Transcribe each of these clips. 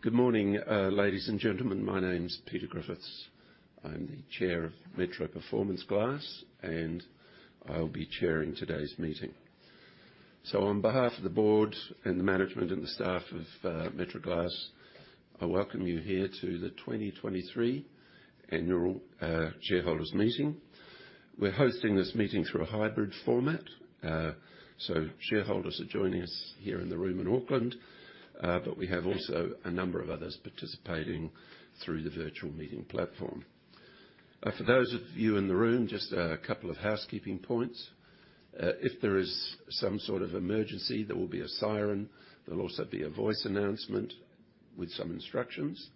Good morning, ladies and gentlemen. My name is Peter Griffiths. I'm the Chair of Metro Performance Glass, and I'll be chairing today's meeting. On behalf of the board and the management and the staff of Metro Glass, I welcome you here to the 2023 Annual Shareholders Meeting. We're hosting this meeting through a hybrid format. Shareholders are joining us here in the room in Auckland, but we have also a number of others participating through the virtual meeting platform. For those of you in the room, just a couple of housekeeping points. If there is some sort of emergency, there will be a siren. There'll also be a voice announcement with some instructions.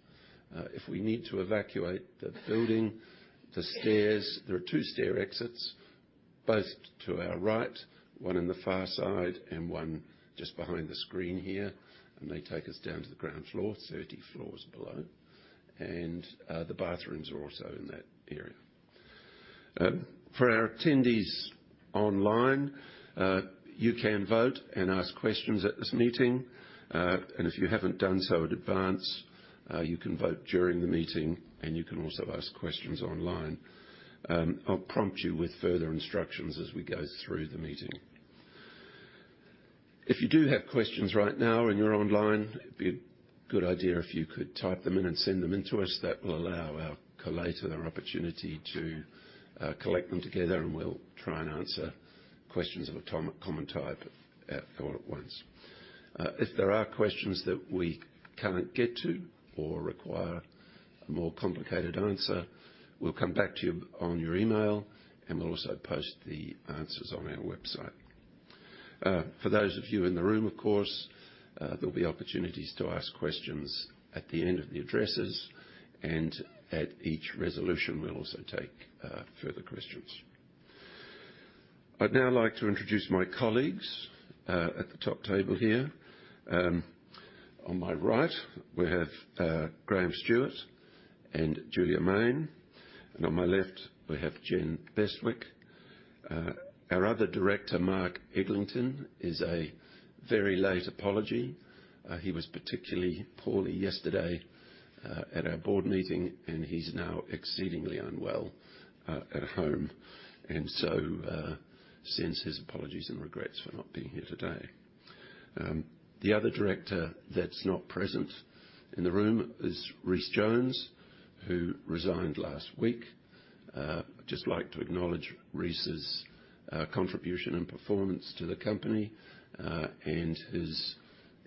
If we need to evacuate the building, There are two stair exits, both to our right, one in the far side and one just behind the screen here, and they take us down to the ground floor, 30 floors below. The bathrooms are also in that area. For our attendees online, you can vote and ask questions at this meeting, and if you haven't done so in advance, you can vote during the meeting, and you can also ask questions online. I'll prompt you with further instructions as we go through the meeting. If you do have questions right now and you're online, it'd be a good idea if you could type them in and send them into us, that will allow our collator an opportunity to collect them together, and we'll try and answer questions of a common type at all at once. If there are questions that we cannot get to or require a more complicated answer, we'll come back to you on your email, and we'll also post the answers on our website. For those of you in the room, of course, there'll be opportunities to ask questions at the end of the addresses, and at each resolution, we'll also take further questions. I'd now like to introduce my colleagues at the top table here. On my right, we have Graham Stuart and Julia Mayne, on my left, we have Jenn Bestwick. Our other Director, Mark Eglinton, is a very late apology. He was particularly poorly yesterday, at our board meeting, he's now exceedingly unwell at home, sends his apologies and regrets for not being here today. The other Director that's not present in the room is Rhys Jones, who resigned last week. I'd just like to acknowledge Rhys's contribution and performance to the company, his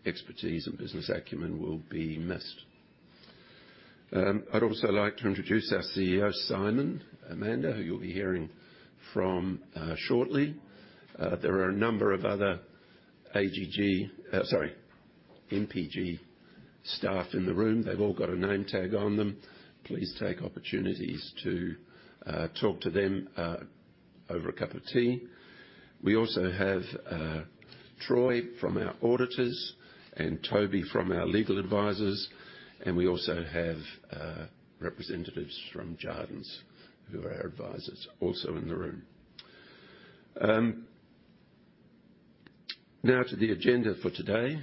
expertise and business acumen will be missed. I'd also like to introduce our CEO, Simon Mander, who you'll be hearing from shortly. There are a number of other AGG, sorry, MPG staff in the room. They've all got a name tag on them. Please take opportunities to talk to them over a cup of tea. We also have Troy from our auditors and Toby from our legal advisors, and we also have representatives from Jarden, who are our advisors, also in the room. Now to the agenda for today.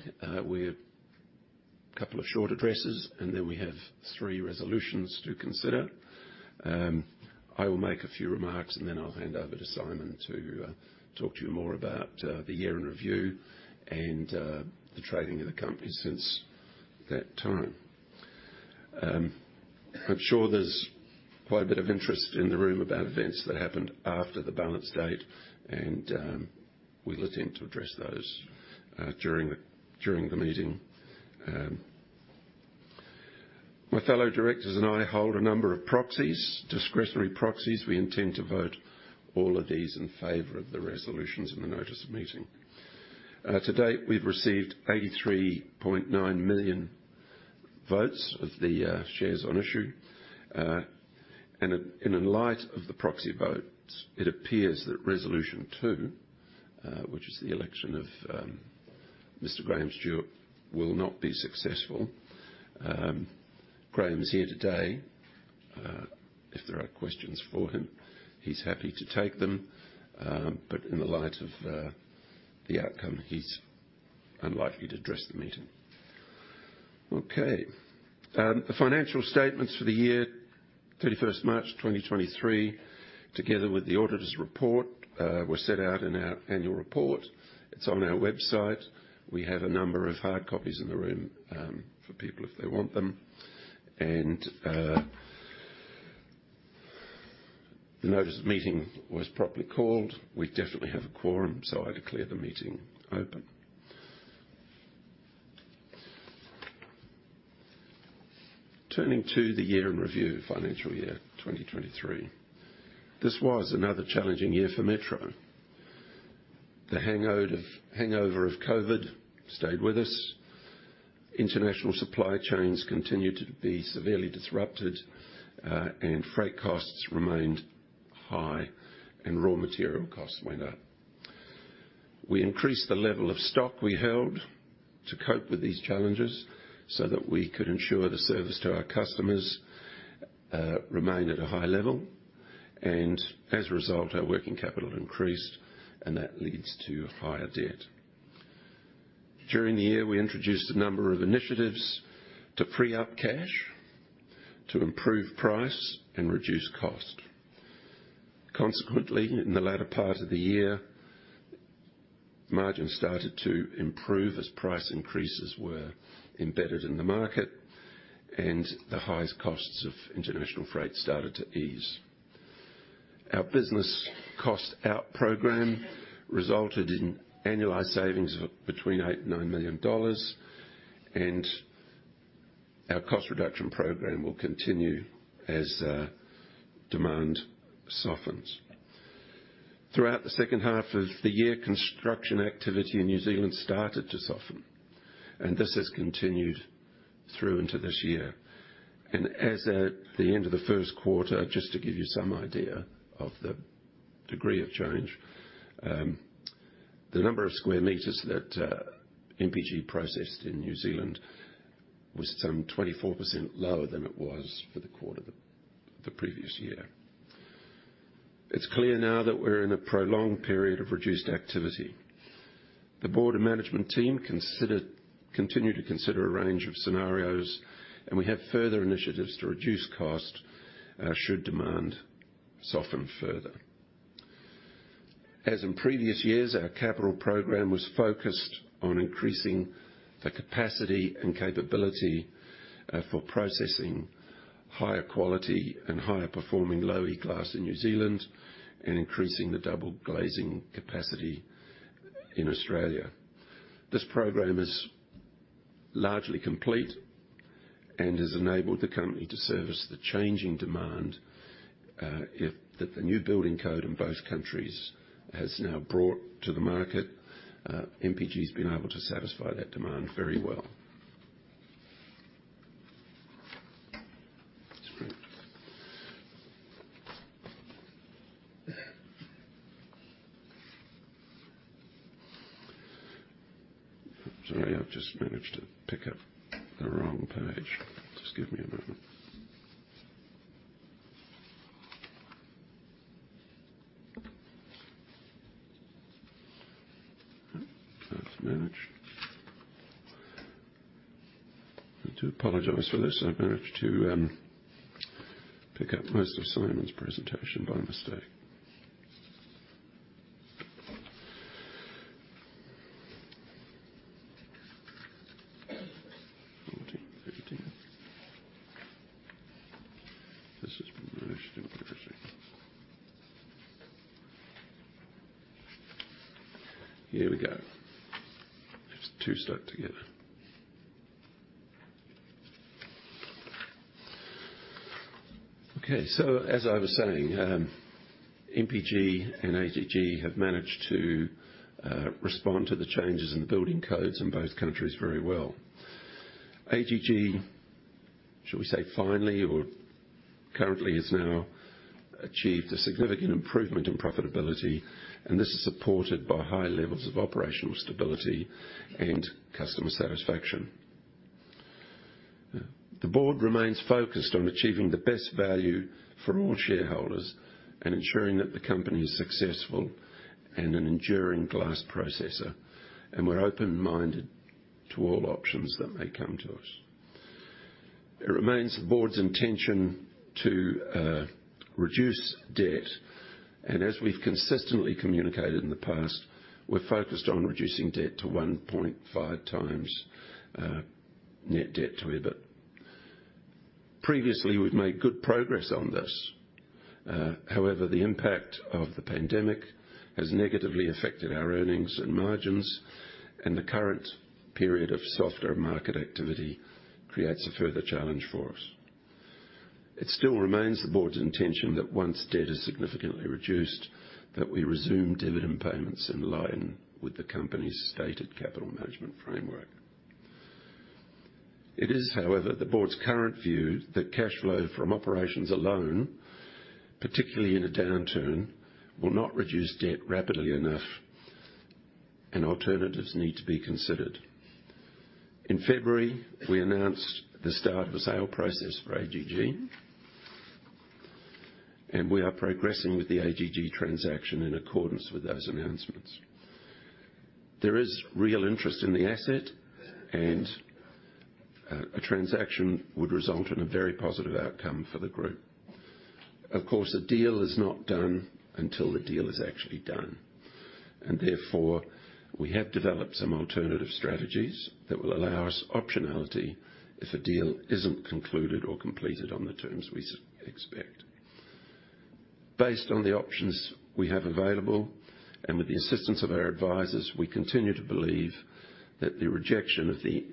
We have a couple of short addresses, and then we have three resolutions to consider. I will make a few remarks, and then I'll hand over to Simon to talk to you more about the year in review and the trading of the company since that time. I'm sure there's quite a bit of interest in the room about events that happened after the balance date, and we look in to address those during the, during the meeting. My fellow directors and I hold a number of proxies, discretionary proxies. We intend to vote all of these in favor of the resolutions in the notice of meeting. To date, we've received 83.9 million votes of the shares on issue, and in light of the proxy votes, it appears that resolution two, which is the election of Mr. Graham Stuart, will not be successful. Graham is here today. If there are questions for him, he's happy to take them, but in the light of the outcome, he's unlikely to address the meeting. Okay. The financial statements for the year, 31st March 2023, together with the auditor's report, were set out in our annual report. It's on our website. We have a number of hard copies in the room for people if they want them. The notice of meeting was properly called. We definitely have a quorum, so I declare the meeting open. Turning to the year in review, financial year 2023. This was another challenging year for Metro. The hangover of COVID stayed with us. International supply chains continued to be severely disrupted, and freight costs remained high, and raw material costs went up. We increased the level of stock we held to cope with these challenges so that we could ensure the service to our customers, remain at a high level, and as a result, our working capital increased, and that leads to higher debt. During the year, we introduced a number of initiatives to free up cash, to improve price and reduce cost. Consequently, in the latter part of the year, margins started to improve as price increases were embedded in the market, and the highest costs of international freight started to ease. Our business cost out program resulted in annualized savings of between 8 million and 9 million dollars, and our cost reduction program will continue as demand softens. Throughout the second half of the year, construction activity in New Zealand started to soften, and this has continued through into this year. As at the end of the first quarter, just to give you some idea of the degree of change, the number of square meters that MPG processed in New Zealand was some 24% lower than it was for the quarter the previous year. It's clear now that we're in a prolonged period of reduced activity. The board and management team consider, continue to consider a range of scenarios, and we have further initiatives to reduce cost should demand soften further. As in previous years, our capital program was focused on increasing the capacity and capability for processing higher quality and higher performing Low-E glass in New Zealand and increasing the double glazing capacity in Australia. This program is largely complete and has enabled the company to service the changing demand that the new building code in both countries has now brought to the market. MPG's been able to satisfy that demand very well. Sorry, I've just managed to pick up the wrong page. Just give me a moment. I have to manage. I do apologize for this. I've managed to pick up most of Simon's presentation by mistake. 40, 30. This is managed in privacy. Here we go. It's two stuck together. As I was saying, MPG and AGG have managed to respond to the changes in the building codes in both countries very well. AGG, shall we say, finally, or currently, has now achieved a significant improvement in profitability. This is supported by high levels of operational stability and customer satisfaction. The board remains focused on achieving the best value for all shareholders and ensuring that the company is successful and an enduring glass processor. We're open-minded to all options that may come to us. It remains the board's intention to reduce debt. As we've consistently communicated in the past, we're focused on reducing debt to 1.5x Net Debt to EBIT. Previously, we've made good progress on this. However, the impact of the pandemic has negatively affected our earnings and margins, and the current period of softer market activity creates a further challenge for us. It still remains the board's intention that once debt is significantly reduced, that we resume dividend payments in line with the company's stated capital management framework. It is, however, the board's current view that cash flow from operations alone, particularly in a downturn, will not reduce debt rapidly enough, and alternatives need to be considered. In February, we announced the start of a sale process for AGG, and we are progressing with the AGG transaction in accordance with those announcements. There is real interest in the asset, and a transaction would result in a very positive outcome for the group. Of course, a deal is not done until the deal is actually done, and therefore, we have developed some alternative strategies that will allow us optionality if a deal isn't concluded or completed on the terms we expect. Based on the options we have available, and with the assistance of our advisors, we continue to believe that the rejection of the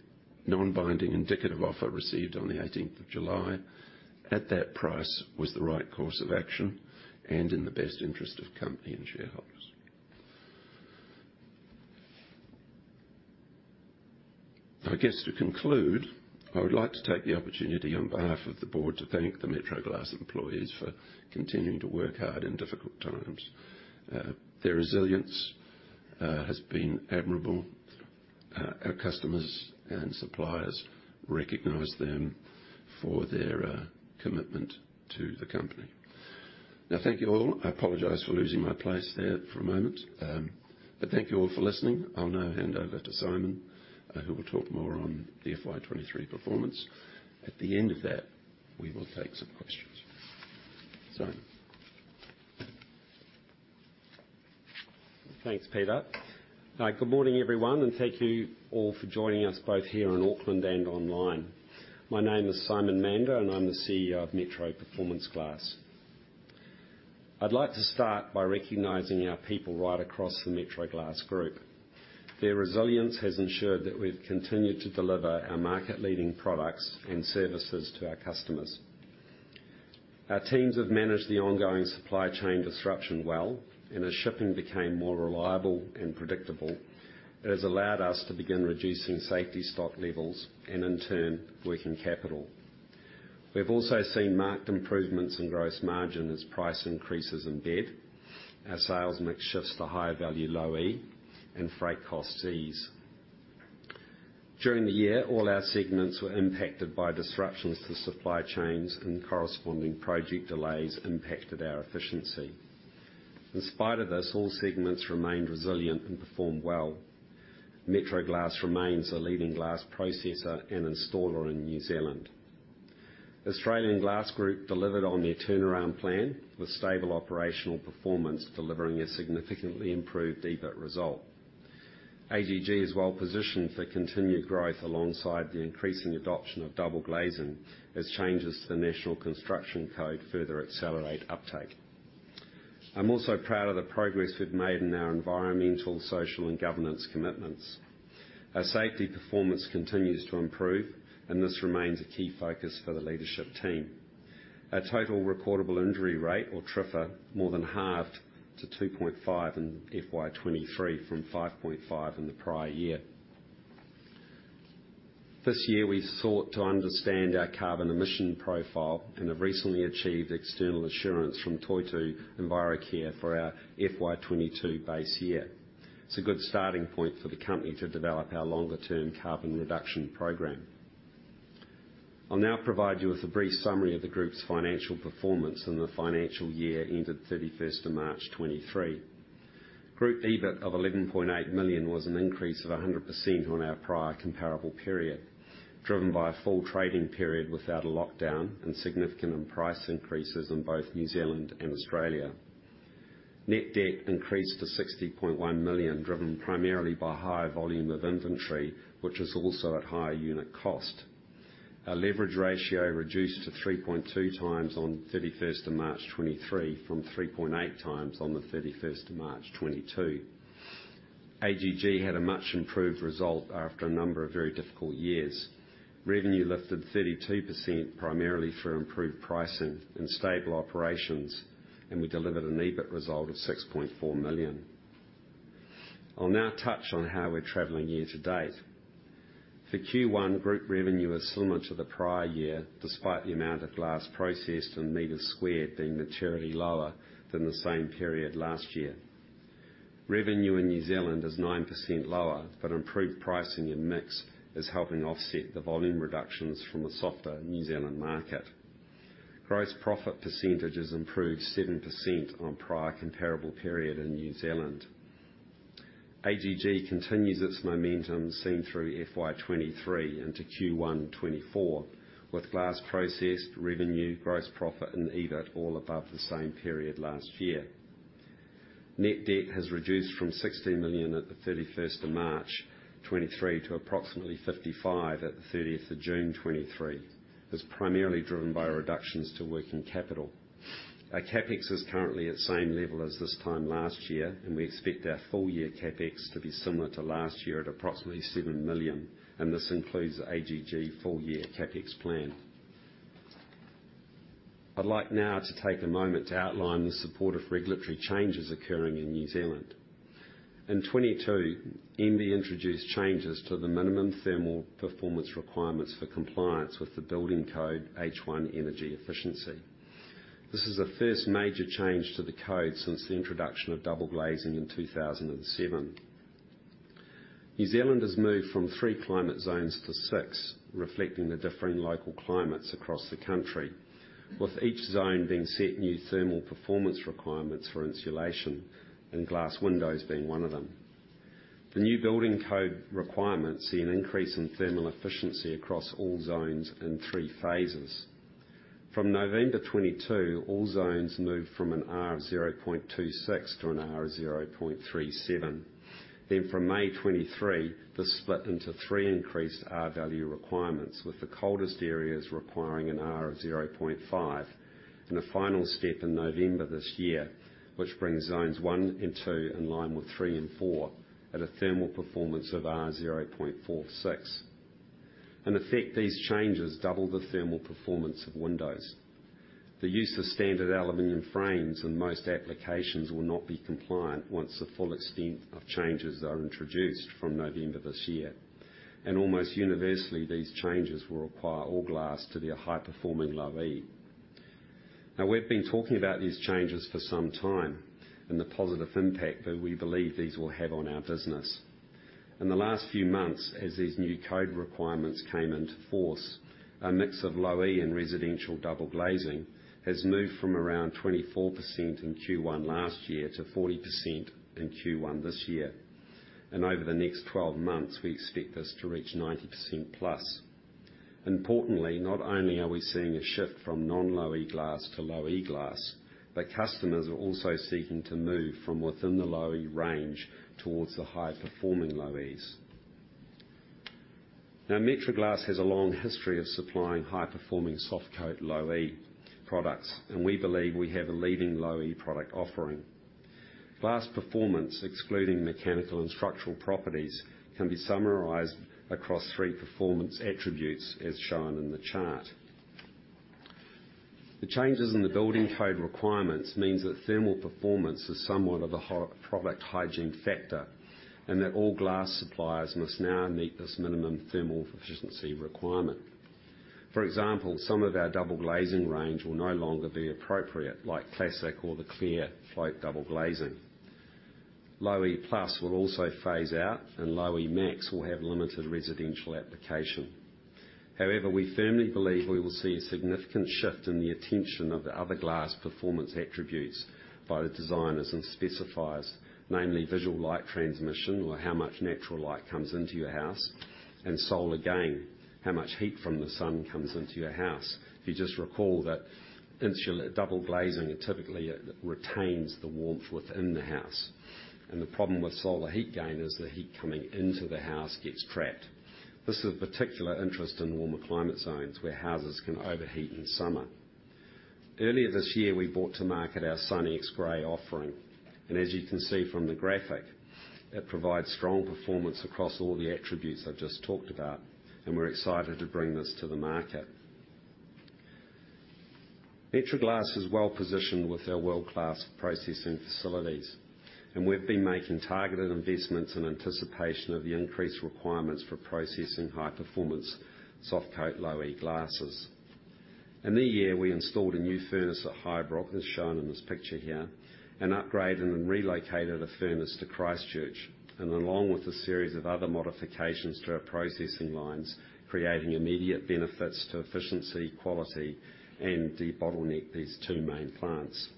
non-binding indicative offer received on the 18th of July at that price was the right course of action and in the best interest of company and shareholders. I guess, to conclude, I would like to take the opportunity on behalf of the board to thank the Metro Glass employees for continuing to work hard in difficult times. Their resilience has been admirable. Our customers and suppliers recognize them for their commitment to the company. Now, thank you all. I apologize for losing my place there for a moment. Thank you all for listening. I'll now hand over to Simon, who will talk more on the FY23 performance. At the end of that, we will take some questions. Simon? Thanks, Peter. Good morning, everyone, and thank you all for joining us both here in Auckland and online. My name is Simon Mander, and I'm the CEO of Metro Performance Glass. I'd like to start by recognizing our people right across the Metro Glass Group. Their resilience has ensured that we've continued to deliver our market-leading products and services to our customers. Our teams have managed the ongoing supply chain disruption well, and as shipping became more reliable and predictable, it has allowed us to begin reducing safety stock levels and in turn, working capital. We've also seen marked improvements in gross margin as price increases embed, our sales mix shifts to higher value Low E, and freight costs ease. During the year, all our segments were impacted by disruptions to supply chains, and corresponding project delays impacted our efficiency. In spite of this, all segments remained resilient and performed well. Metro Glass remains a leading glass processor and installer in New Zealand. Australian Glass Group delivered on their turnaround plan, with stable operational performance delivering a significantly improved EBIT result. AGG is well positioned for continued growth alongside the increasing adoption of double glazing, as changes to the National Construction Code further accelerate uptake. I'm also proud of the progress we've made in our environmental, social, and governance commitments. Our safety performance continues to improve, and this remains a key focus for the leadership team. Our total recordable injury rate, or TRIFR, more than halved to 2.5 in FY 2023 from 5.5 in the prior year. This year, we sought to understand our carbon emission profile and have recently achieved external assurance from Toitū Envirocare for our FY 2022 base year. It's a good starting point for the company to develop our longer-term carbon reduction program. I'll now provide you with a brief summary of the group's financial performance in the financial year ended March 31, 2023. Group EBIT of 11.8 million was an increase of 100% on our prior comparable period, driven by a full trading period without a lockdown and significant price increases in both New Zealand and Australia. Net debt increased to 60.1 million, driven primarily by higher volume of inventory, which is also at higher unit cost. Our leverage ratio reduced to 3.2x on March 31, 2023, from 3.8x on March 31, 2022. AGG had a much improved result after a number of very difficult years. Revenue lifted 32%, primarily through improved pricing and stable operations, and we delivered an EBIT result of 6.4 million. I'll now touch on how we're traveling year to date. For Q1, group revenue is similar to the prior year, despite the amount of glass processed and meters squared being materially lower than the same period last year. Revenue in New Zealand is 9% lower, but improved pricing and mix is helping offset the volume reductions from the softer New Zealand market. Gross profit percentage has improved 7% on prior comparable period in New Zealand. AGG continues its momentum seen through FY 23 into Q1 2024, with glass processed, revenue, gross profit, and EBIT all above the same period last year. Net debt has reduced from 16 million at the 31st of March 2023 to approximately 55 million at the 30th of June 2023. It's primarily driven by reductions to working capital. Our CapEx is currently at the same level as this time last year, and we expect our full year CapEx to be similar to last year at approximately 7 million, and this includes the AGG full year CapEx plan. I'd like now to take a moment to outline the supportive regulatory changes occurring in New Zealand. In 2022, MBIE introduced changes to the minimum thermal performance requirements for compliance with the Building Code H1 Energy Efficiency. This is the first major change to the code since the introduction of double glazing in 2007. New Zealand has moved from three climate zones to six, reflecting the differing local climates across the country, with each zone being set new thermal performance requirements for insulation and glass windows being one of them. The new building code requirements see an increase in thermal efficiency across all zones in three phases. From November 2022, all zones moved from an R of 0.26 to an R of 0.37. From May 2023, this split into three increased R-value requirements, with the coldest areas requiring an R of 0.5, and a final step in November this year, which brings zones one and two in line with three and four at a thermal performance of R 0.46. In effect, these changes double the thermal performance of windows. The use of standard aluminum frames in most applications will not be compliant once the full extent of changes are introduced from November this year. Almost universally, these changes will require all glass to be a high-performing Low-E. We've been talking about these changes for some time and the positive impact that we believe these will have on our business. In the last few months, as these new code requirements came into force, our mix of Low-E and residential double glazing has moved from around 24% in Q1 last year to 40% in Q1 this year. Over the next 12 months, we expect this to reach 90%+. Importantly, not only are we seeing a shift from non-Low-E glass to Low-E glass, but customers are also seeking to move from within the Low-E range towards the high-performing Low-Es. Metro glass has a long history of supplying high-performing soft-coat Low-E products, and we believe we have a leading Low-E product offering. Glass performance, excluding mechanical and structural properties, can be summarized across three performance attributes, as shown in the chart. The changes in the building code requirements means that thermal performance is somewhat of a product hygiene factor, and that all glass suppliers must now meet this minimum thermal efficiency requirement. For example, some of our double glazing range will no longer be appropriate, like Classic or the clear float double glazing. Low E Plus will also phase out, and Low E Max will have limited residential application. However, we firmly believe we will see a significant shift in the attention of the other glass performance attributes by the designers and specifiers, namely Visual Light Transmission, or how much natural light comes into your house, and solar gain, how much heat from the sun comes into your house. If you just recall that double glazing typically retains the warmth within the house, and the problem with solar heat gain is the heat coming into the house gets trapped. This is of particular interest in warmer climate zones, where houses can overheat in summer. Earlier this year, we brought to market our SunX Grey offering, and as you can see from the graphic, it provides strong performance across all the attributes I've just talked about, and we're excited to bring this to the market. Metro Glass is well-positioned with our world-class processing facilities, and we've been making targeted investments in anticipation of the increased requirements for processing high-performance soft-coat Low-E glasses. In the year, we installed a new furnace at Highbrook, as shown in this picture here, and upgraded and relocated a furnace to Christchurch, and along with a series of other modifications to our processing lines, creating immediate benefits to efficiency, quality, and debottleneck these two main plants.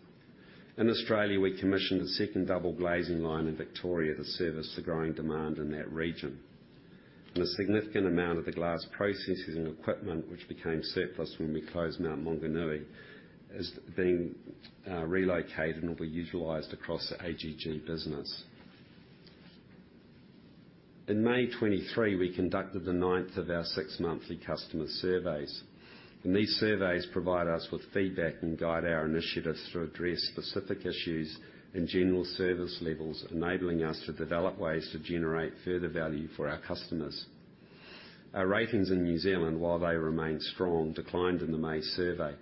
In Australia, we commissioned a second double glazing line in Victoria to service the growing demand in that region. A significant amount of the glass processes and equipment, which became surplus when we closed Mount Maunganui, is being relocated and will be utilized across the AGG business. In May 2023, we conducted the ninth of our six monthly customer surveys. These surveys provide us with feedback and guide our initiatives to address specific issues and general service levels, enabling us to develop ways to generate further value for our customers. Our ratings in New Zealand, while they remain strong, declined in the May survey.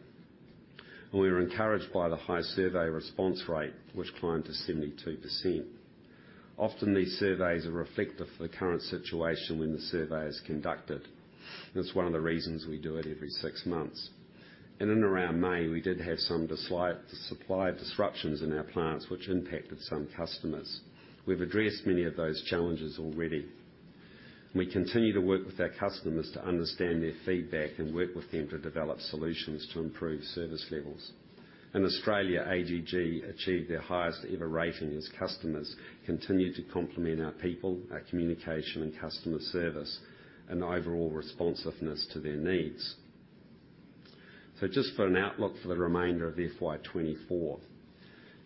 We were encouraged by the high survey response rate, which climbed to 72%. Often, these surveys are reflective of the current situation when the survey is conducted. That's one of the reasons we do it every six months. In around May, we did have some supply disruptions in our plants, which impacted some customers. We've addressed many of those challenges already. We continue to work with our customers to understand their feedback and work with them to develop solutions to improve service levels. In Australia, AGG achieved their highest-ever rating as customers continued to compliment our people, our communication, and customer service, and overall responsiveness to their needs. Just for an outlook for the remainder of the FY 2024.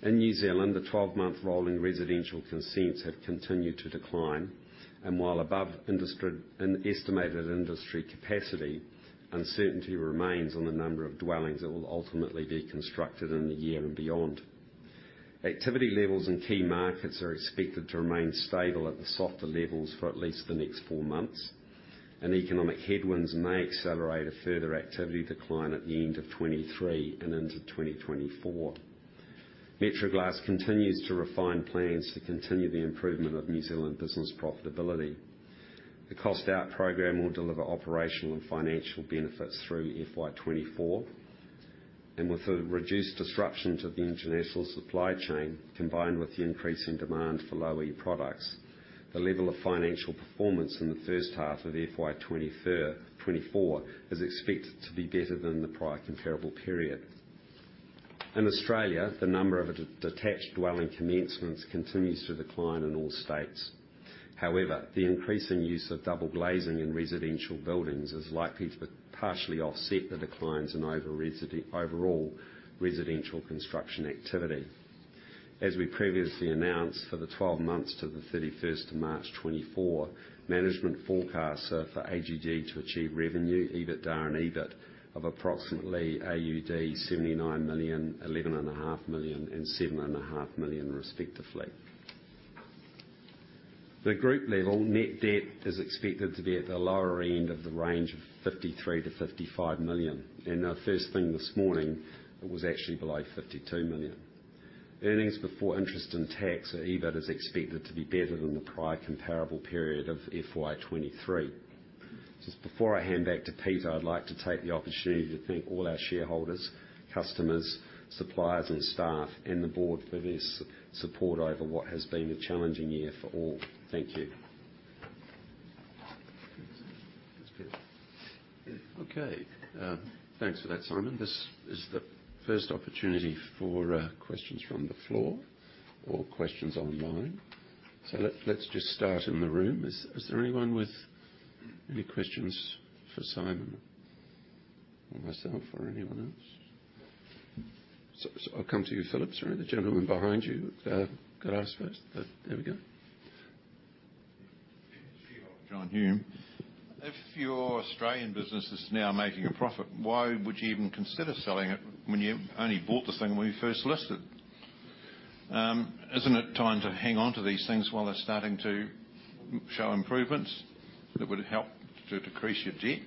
In New Zealand, the 12-month rolling residential consents have continued to decline, and while above industry, an estimated industry capacity, uncertainty remains on the number of dwellings that will ultimately be constructed in the year and beyond. Activity levels in key markets are expected to remain stable at the softer levels for at least the next four months, and economic headwinds may accelerate a further activity decline at the end of 2023 and into 2024. Metro Performance Glass continues to refine plans to continue the improvement of New Zealand business profitability. The cost out program will deliver operational and financial benefits through FY 2024, with the reduced disruption to the international supply chain, combined with the increase in demand for Low-E products, the level of financial performance in the first half of FY 2024 is expected to be better than the prior comparable period. In Australia, the number of detached dwelling commencements continues to decline in all states. However, the increase in use of double glazing in residential buildings is likely to partially offset the declines in overall residential construction activity. As we previously announced, for the 12 months to the 31st of March 2024, management forecasts are for AGG to achieve revenue, EBITDA, and EBIT of approximately AUD 79 million, 11.5 million, and 7.5 million, respectively. The group level net debt is expected to be at the lower end of the range of 53 million-55 million. Now first thing this morning, it was actually below 52 million.... earnings before interest and tax, or EBIT, is expected to be better than the prior comparable period of FY 2023. Just before I hand back to Peter, I'd like to take the opportunity to thank all our shareholders, customers, suppliers and staff, and the board for their support over what has been a challenging year for all. Thank you. Thanks, Peter. Okay, thanks for that, Simon. This is the first opportunity for questions from the floor or questions online. Let's just start in the room. Is there anyone with any questions for Simon or myself or anyone else? I'll come to you, Philip. Sorry, the gentleman behind you got asked first. There we go. If your Australian business is now making a profit, why would you even consider selling it when you only bought the thing when you first listed? Isn't it time to hang on to these things while they're starting to show improvements that would help to decrease your debt?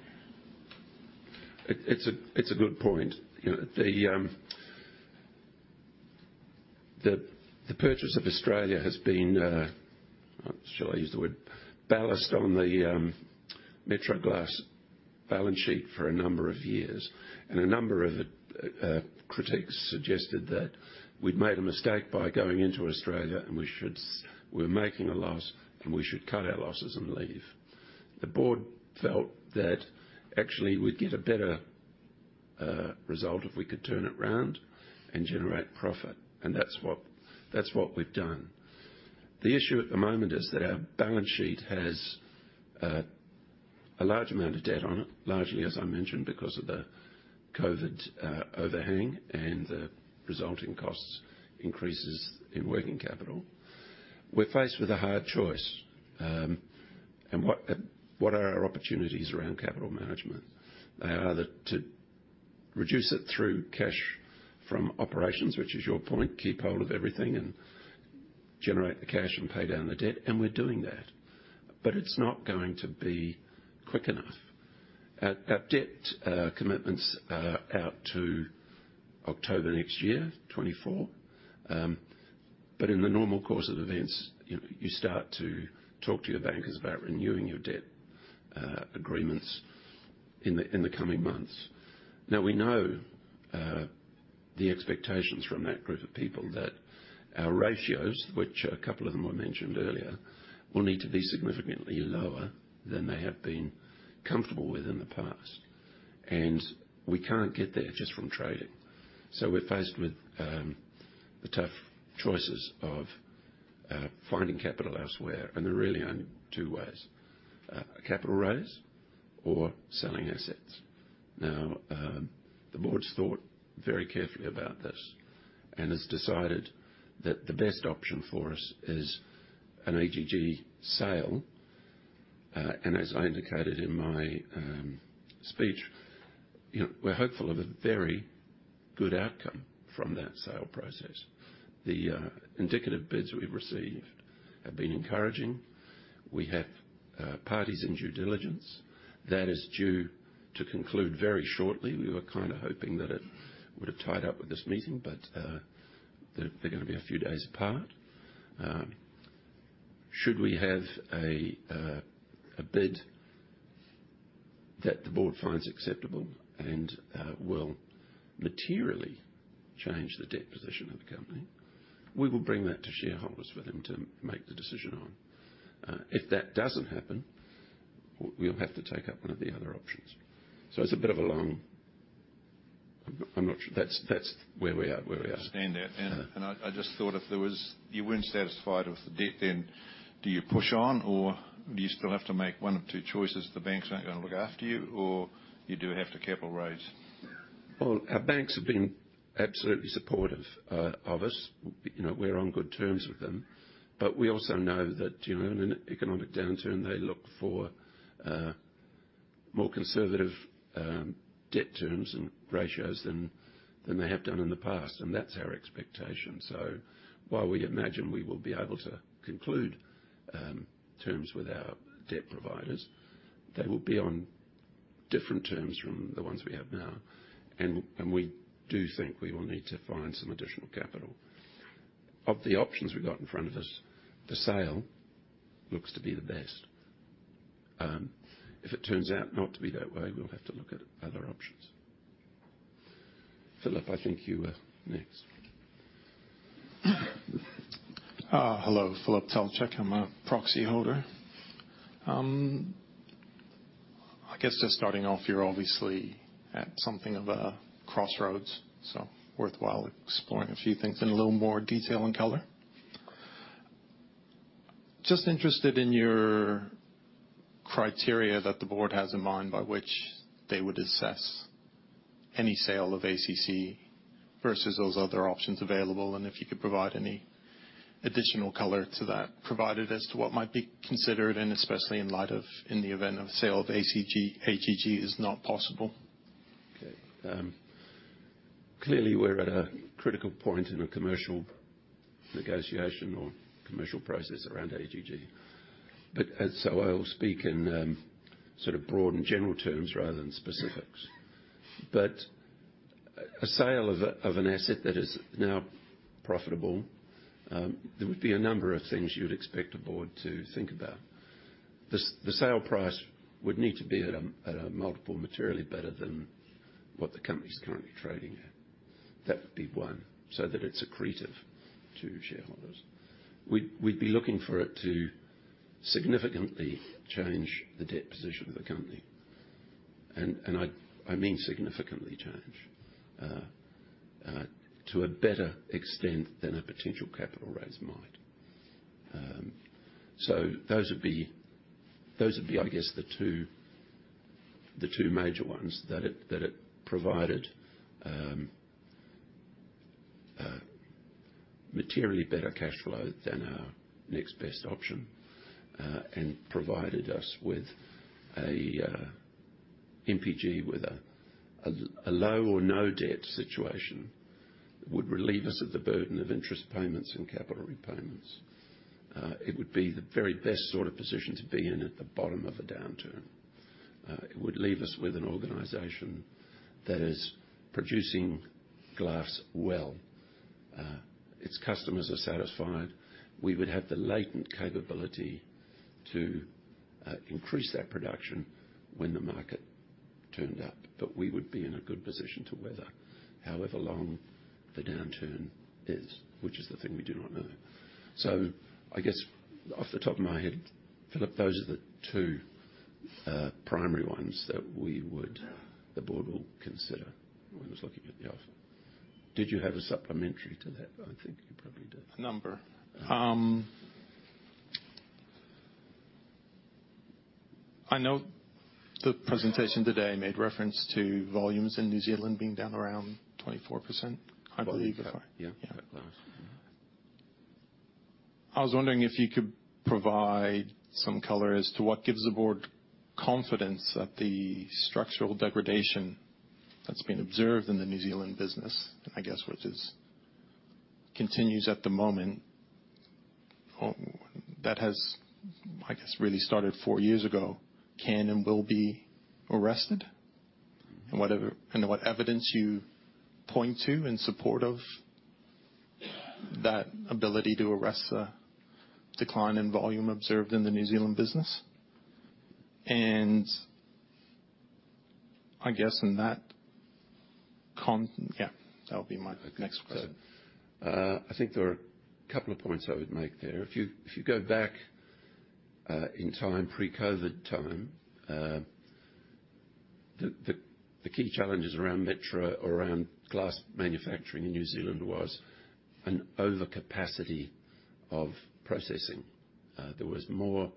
It's a good point. You know, the, the purchase of Australia has been, should I use the word, ballast on the Metro Glass balance sheet for a number of years. And a number of critiques suggested that we'd made a mistake by going into Australia, and we should we're making a loss, and we should cut our losses and leave. The board felt that actually we'd get a better result if we could turn it around and generate profit, and that's what, that's what we've done. The issue at the moment is that our balance sheet has a large amount of debt on it, largely, as I mentioned, because of the COVID overhang and the resulting costs increases in working capital. We're faced with a hard choice. What, what are our opportunities around capital management? To reduce it through cash from operations, which is your point, keep hold of everything and generate the cash and pay down the debt, and we're doing that. It's not going to be quick enough. Our debt commitments are out to October next year, 2024. In the normal course of events, you start to talk to your bankers about renewing your debt agreements in the coming months. We know the expectations from that group of people that our ratios, which a couple of them were mentioned earlier, will need to be significantly lower than they have been comfortable with in the past. We can't get there just from trading. We're faced with the tough choices of finding capital elsewhere, and there are really only two ways: capital raise or selling assets. Now, the board's thought very carefully about this and has decided that the best option for us is an AGG sale. As I indicated in my speech, you know, we're hopeful of a very good outcome from that sale process. The indicative bids we've received have been encouraging. We have parties in due diligence. That is due to conclude very shortly. We were kinda hoping that it would have tied up with this meeting, but they're gonna be a few days apart. Should we have a bid that the board finds acceptable and will materially change the debt position of the company, we will bring that to shareholders for them to make the decision on. If that doesn't happen, we'll have to take up one of the other options. It's a bit of a long... I'm not sure. That's where we are, where we are. Understand that. Uh- I just thought if there was. You weren't satisfied with the debt, then do you push on or do you still have to make one of two choices, the banks aren't gonna look after you, or you do have to capital raise? Well, our banks have been absolutely supportive of us. You know, we're on good terms with them, but we also know that, you know, in an economic downturn, they look for more conservative debt terms and ratios than they have done in the past, and that's our expectation. While we imagine we will be able to conclude terms with our debt providers, they will be on different terms from the ones we have now. We do think we will need to find some additional capital. Of the options we got in front of us, the sale looks to be the best. If it turns out not to be that way, we'll have to look at other options. Philip, I think you were next. Hello. Philip Talyancich. I'm a proxy holder. I guess just starting off, you're obviously at something of a crossroads, so worthwhile exploring a few things in a little more detail and color. Just interested in your criteria that the board has in mind by which they would assess any sale of AGG versus those other options available, and if you could provide any additional color to that, provided as to what might be considered, and especially in light of, in the event of sale of AGG is not possible. Okay. Clearly, we're at a critical point in a commercial negotiation or commercial process around AGG. I'll speak in sort of broad and general terms rather than specifics. A sale of an asset that is now profitable, there would be a number of things you'd expect a board to think about. The sale price would need to be at a multiple materially better than what the company's currently trading at. That would be one, so that it's accretive to shareholders. We'd be looking for it to significantly change the debt position of the company, and I mean, significantly change to a better extent than a potential capital raise might. Those would be, those would be, I guess, the two, the two major ones, that it, that it provided, materially better cash flow than our next best option, and provided us with a MPG, with a low or no debt situation would relieve us of the burden of interest payments and capital repayments. It would be the very best sort of position to be in at the bottom of a downturn. It would leave us with an organization that is producing glass well. Its customers are satisfied. We would have the latent capability to increase that production when the market turned up, but we would be in a good position to weather however long the downturn is, which is the thing we do not know. I guess off the top of my head, Philip, those are the two, primary ones that the board will consider when it's looking at the offer. Did you have a supplementary to that? I think you probably did. A number. I know the presentation today made reference to volumes in New Zealand being down around 24%, I believe. Yeah. I was wondering if you could provide some color as to what gives the board confidence that the structural degradation that's been observed in the New Zealand business, I guess, which is, continues at the moment, that has, I guess, really started four years ago, can and will be arrested? What evidence you point to in support of that ability to arrest the decline in volume observed in the New Zealand business? I guess yeah, that would be my next question. I think there are a couple of points I would make there. If you, if you go back in time, pre-COVID time, the key challenges around Metro or around glass manufacturing in New Zealand was an overcapacity of processing. There was more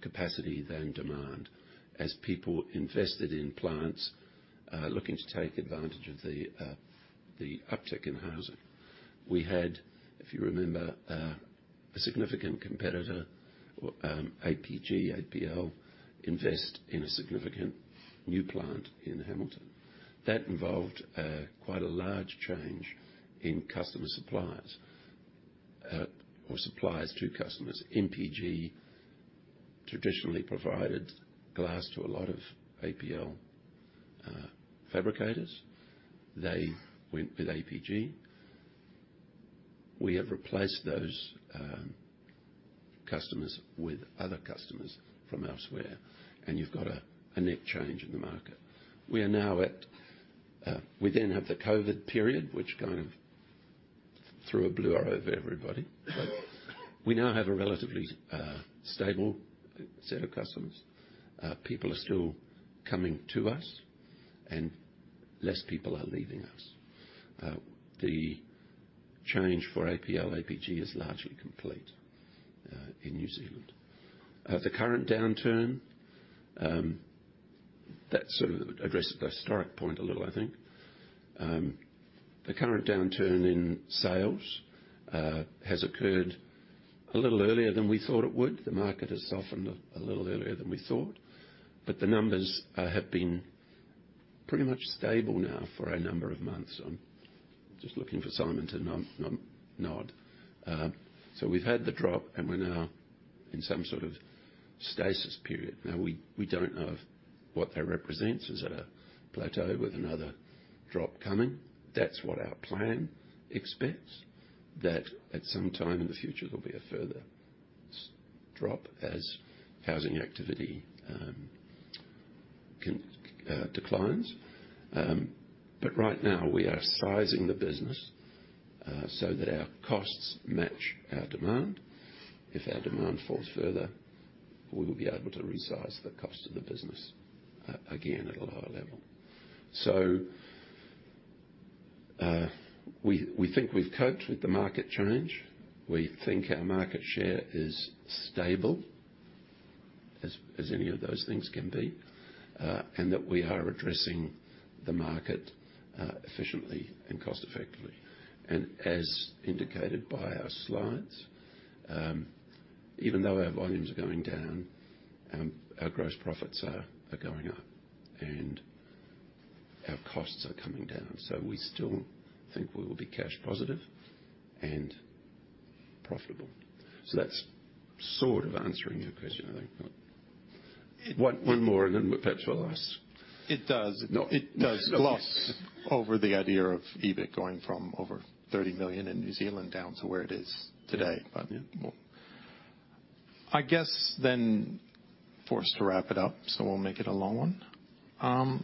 capacity than demand as people invested in plants looking to take advantage of the uptick in housing. We had, if you remember, a significant competitor, APG, APL, invest in a significant new plant in Hamilton. That involved quite a large change in customer suppliers or suppliers to customers. MPG traditionally provided glass to a lot of APL fabricators. They went with APG. We have replaced those customers with other customers from elsewhere, and you've got a net change in the market. We are now at. We then have the COVID period, which kind of threw a blur over everybody. We now have a relatively stable set of customers. People are still coming to us, and less people are leaving us. The change for APL, APG, is largely complete in New Zealand. The current downturn, that sort of addresses the historic point a little, I think. The current downturn in sales has occurred a little earlier than we thought it would. The market has softened a little earlier than we thought, but the numbers have been pretty much stable now for a number of months. I'm just looking for Simon to nod, nod, nod. We've had the drop, and we're now in some sort of stasis period. Now, we, we don't know what that represents. Is it a plateau with another drop coming? That's what our plan expects, that at some time in the future, there'll be a further drop as housing activity declines. Right now, we are sizing the business so that our costs match our demand. If our demand falls further, we will be able to resize the cost of the business again at a lower level. We think we've coped with the market change. We think our market share is stable, as, as any of those things can be, and that we are addressing the market efficiently and cost effectively. As indicated by our slides, even though our volumes are going down, our gross profits are going up, and our costs are coming down. We still think we will be cash positive and profitable. That's sort of answering your question, I think. One, one more, and then perhaps we'll ask. It does. No. It does gloss over the idea of EBIT going from over 30 million in New Zealand down to where it is today. Yeah. Well, I guess then forced to wrap it up, so we'll make it a long one.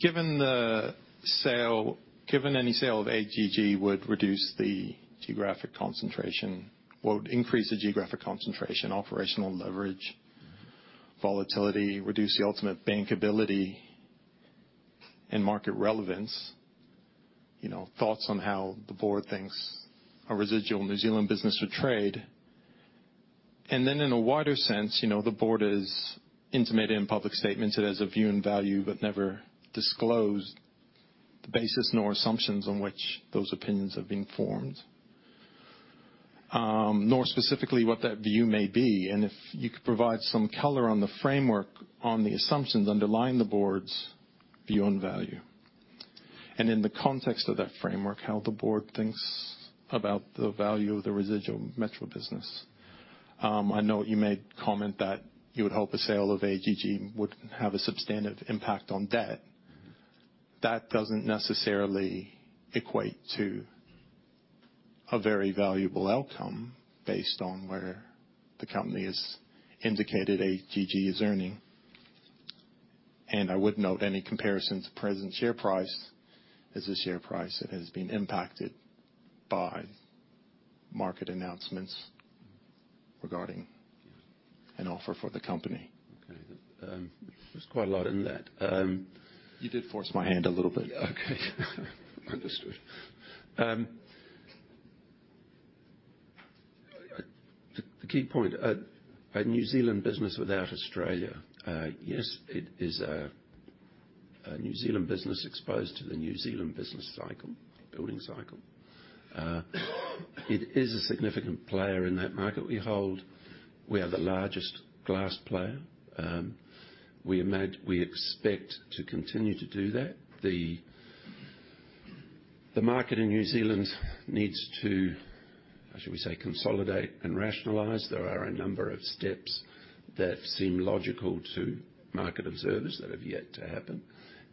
Given the sale, given any sale of AGG would reduce the geographic concentration, well, increase the geographic concentration, operational leverage, volatility, reduce the ultimate bankability and market relevance, you know, thoughts on how the board thinks a residual New Zealand business would trade. Then in a wider sense, you know, the board has intimated in public statements it has a view and value, but never disclosed the basis nor assumptions on which those opinions have been formed, nor specifically what that view may be. If you could provide some color on the framework, on the assumptions underlying the board's view on value, and in the context of that framework, how the board thinks about the value of the residual metro business. I know you made comment that you would hope a sale of AGG would have a substantive impact on debt. That doesn't necessarily equate to a very valuable outcome based on where the company has indicated AGG is earning. I would note any comparisons to present share price is a share price that has been impacted by market announcements regarding an offer for the company. Okay. There's quite a lot in that. You did force my hand a little bit. Okay. Understood. The, the key point, a, a New Zealand business without Australia, yes, it is a, a New Zealand business exposed to the New Zealand business cycle, building cycle. It is a significant player in that market we hold. We are the largest glass player. We expect to continue to do that. The, the market in New Zealand needs to, I should we say, consolidate and rationalize. There are a number of steps that seem logical to market observers that have yet to happen,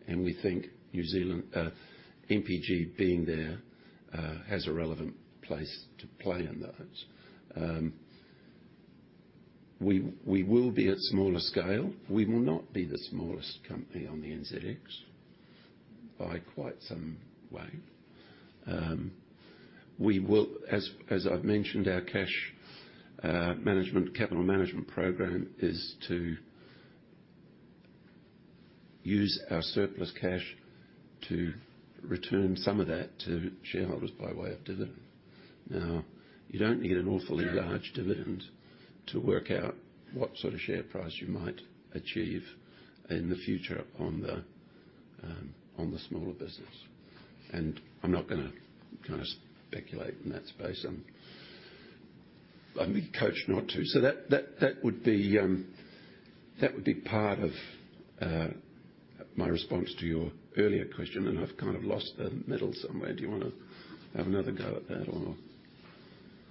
and we think New Zealand, MPG being there, has a relevant place to play in those. We, we will be at smaller scale. We will not be the smallest company on the NZX by quite some way. As, as I've mentioned, our cash management, capital management program is to use our surplus cash to return some of that to shareholders by way of dividend. Now, you don't need an awfully large dividend to work out what sort of share price you might achieve in the future on the smaller business. I'm not gonna kind of speculate in that space. I've been coached not to. That, that, that would be part of my response to your earlier question, and I've kind of lost the middle somewhere. Do you wanna have another go at that or...?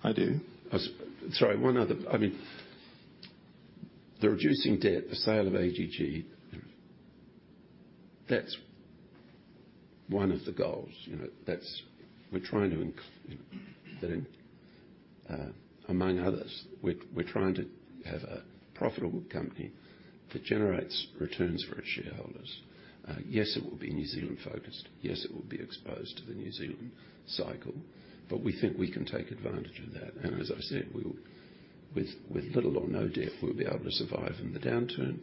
I do. I'm sorry, one other... I mean, the reducing debt, the sale of AGG, that's one of the goals. You know, that's, we're trying to have a profitable company that generates returns for its shareholders. Yes, it will be New Zealand focused. Yes, it will be exposed to the New Zealand cycle, but we think we can take advantage of that. As I said, we will, with, with little or no debt, we'll be able to survive in the downturn,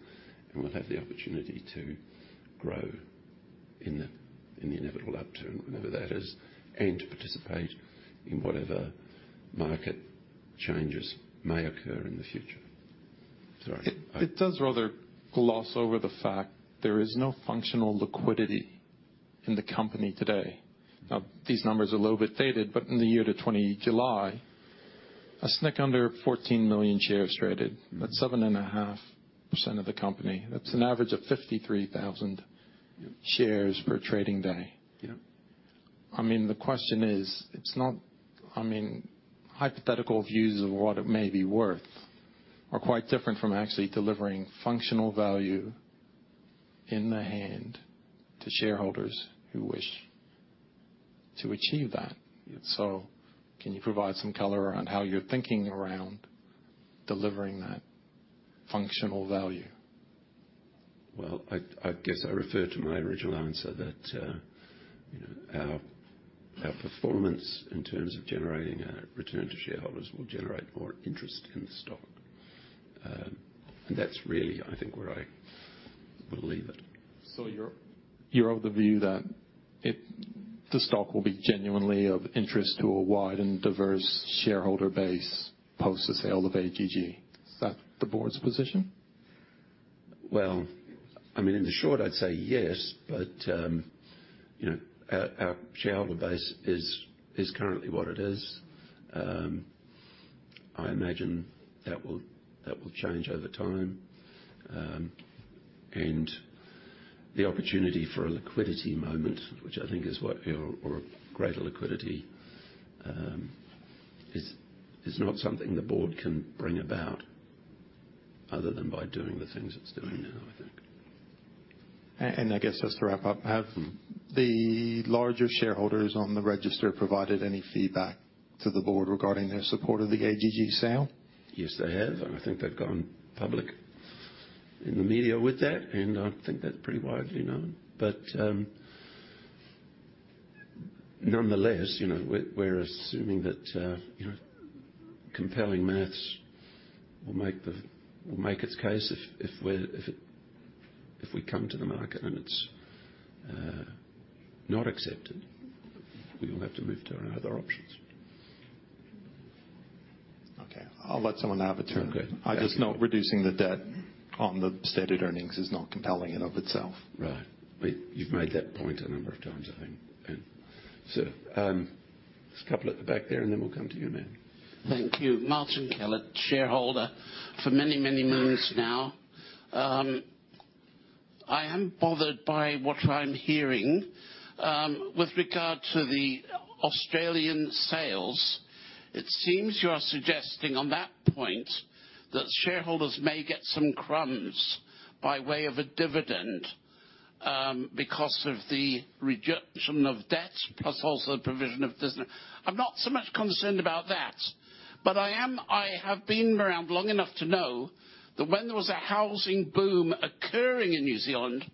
and we'll have the opportunity to grow in the, in the inevitable upturn, whenever that is, and participate in whatever market changes may occur in the future. Sorry. It, it does rather gloss over the fact there is no functional liquidity in the company today. Now, these numbers are a little bit dated, but in the year to 20 July, a snick under 14 million shares traded, that's 7.5% of the company. That's an average of 53,000 shares per trading day. Yeah. I mean, the question is, hypothetical views of what it may be worth are quite different from actually delivering functional value in the hand to shareholders who wish to achieve that. Can you provide some color around how you're thinking around delivering that functional value? Well, I, I guess I refer to my original answer, that, you know, our, our performance in terms of generating a return to shareholders will generate more interest in the stock. That's really, I think, where I will leave it. You're, you're of the view that it, the stock will be genuinely of interest to a wide and diverse shareholder base post the sale of AGG. Is that the board's position? Well, I mean, in the short, I'd say yes. You know, our, our shareholder base is, is currently what it is. I imagine that will, that will change over time. The opportunity for a liquidity moment, which I think is what, or, or a greater liquidity, is, is not something the board can bring about other than by doing the things it's doing now, I think. I guess just to wrap up... Mm-hmm. Have the larger shareholders on the register provided any feedback to the board regarding their support of the AGG sale? Yes, they have, and I think they've gone public in the media with that, and I think that's pretty widely known. Nonetheless, you know, we're, we're assuming that, you know, compelling math will make its case if we come to the market and it's not accepted, we will have to move to our other options. Okay. I'll let someone have a turn. Okay. I just know reducing the debt on the stated earnings is not compelling in of itself. Right. You've made that point a number of times, I think, and so, there's a couple at the back there, and then we'll come to you, ma'am. Thank you. Martin Kellett, shareholder for many, many moons now. I am bothered by what I'm hearing with regard to the Australian sales. It seems you are suggesting on that point, that shareholders may get some crumbs by way of a dividend because of the reduction of debt, plus also the provision of business. I'm not so much concerned about that, but I have been around long enough to know that when there was a housing boom occurring in New Zealand,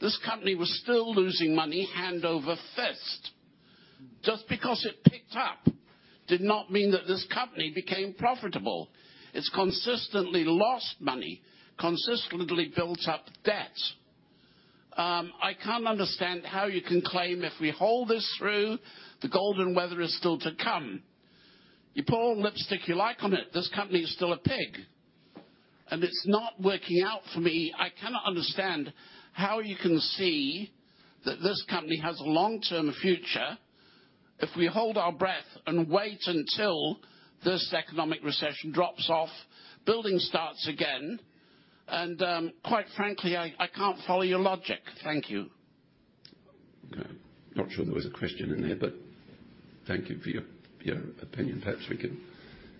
this company was still losing money hand over fist. Just because it picked up did not mean that this company became profitable. It's consistently lost money, consistently built up debt. I can't understand how you can claim if we hold this through, the golden weather is still to come. You put all the lipstick you like on it, this company is still a pig, and it's not working out for me. I cannot understand how you can see that this company has a long-term future if we hold our breath and wait until this economic recession drops off, building starts again, and quite frankly, I, I can't follow your logic. Thank you. Okay. Not sure there was a question in there, but thank you for your, your opinion. Perhaps we can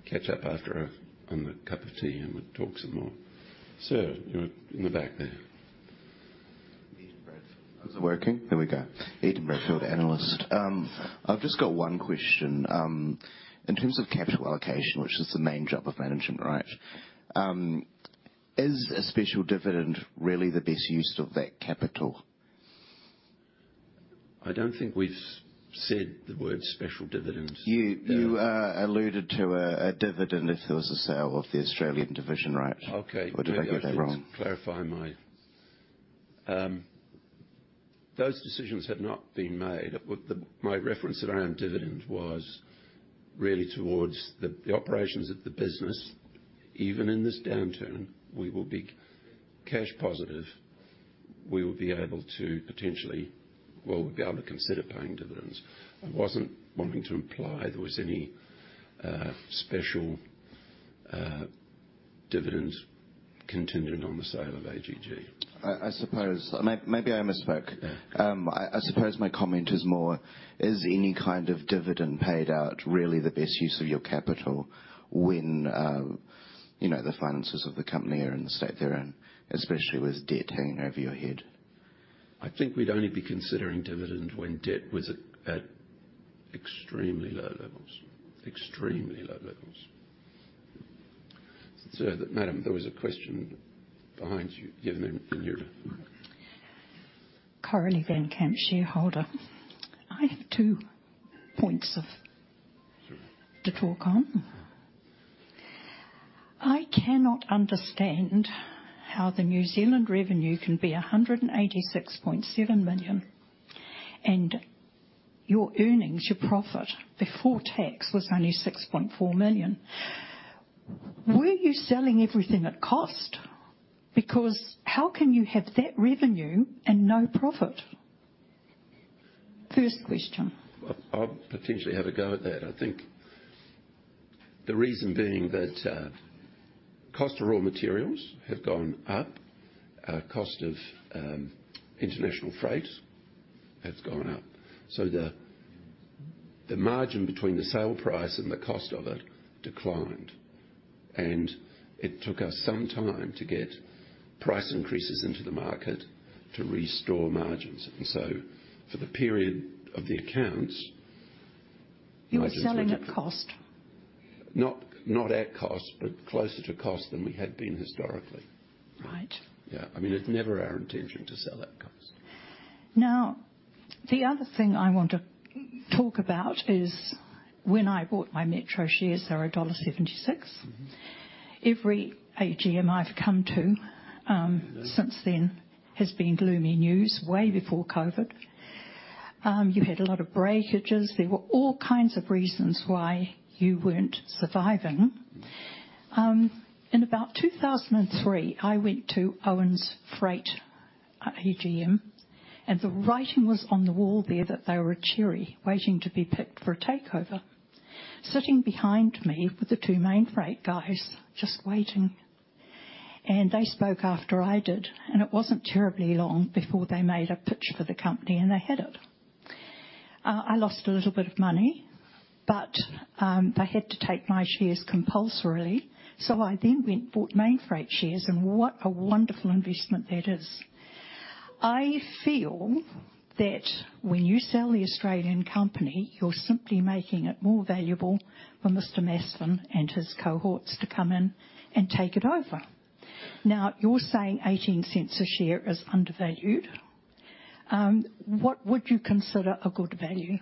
catch up after, on the cup of tea and we'll talk some more. Sir, you're in the back there. Ethan Bradfield. Is it working? There we go. Ethan Bradfield, analyst. I've just got one question. In terms of capital allocation, which is the main job of management, right? Is a special dividend really the best use of that capital? I don't think we've said the word special dividend. You, you alluded to a dividend if there was a sale of the Australian division, right? Okay. Did I get that wrong? Clarify my... Those decisions have not been made. What my reference around dividend was really towards the operations of the business. Even in this downturn, we will be cash positive. We will be able to potentially, well, we'll be able to consider paying dividends. I wasn't wanting to imply there was any special dividends continuing on the sale of AGG. I suppose... maybe I misspoke. Yeah. I suppose my comment is more, is any kind of dividend paid out really the best use of your capital when, you know, the finances of the company are in the state they're in, especially with debt hanging over your head? I think we'd only be considering dividend when debt was at, at extremely low levels. Extremely low levels. Madam, there was a question behind you, yeah, ma'am, and you. Coralie van Camp, shareholder. I have two points of- Sure. To talk on. I cannot understand how the New Zealand revenue can be 186.7 million, and your earnings, your profit before tax was only 6.4 million. Were you selling everything at cost? How can you have that revenue and no profit? First question. I'll, I'll potentially have a go at that. I think the reason being that, cost of raw materials have gone up, cost of international freight has gone up, so the, the margin between the sale price and the cost of it declined, and it took us some time to get price increases into the market to restore margins. For the period of the accounts. You were selling at cost? Not, not at cost, but closer to cost than we had been historically. Right. Yeah. I mean, it's never our intention to sell at cost. The other thing I want to talk about is when I bought my Metro shares, they were NZD 1.76. Mm-hmm. Every AGM I've come to, since then, has been gloomy news, way before COVID. You had a lot of breakages. There were all kinds of reasons why you weren't surviving.... In about 2003, I went to Owens Freight AGM, the writing was on the wall there that they were a cherry waiting to be picked for a takeover. Sitting behind me were the two Mainfreight guys, just waiting, they spoke after I did, it wasn't terribly long before they made a pitch for the company, they had it. I lost a little bit of money, they had to take my shares compulsorily. I then went and bought Mainfreight shares, what a wonderful investment that is. I feel that when you sell the Australian company, you're simply making it more valuable for Mr. Masfen and his cohorts to come in and take it over. Now, you're saying 0.18 a share is undervalued. What would you consider a good value?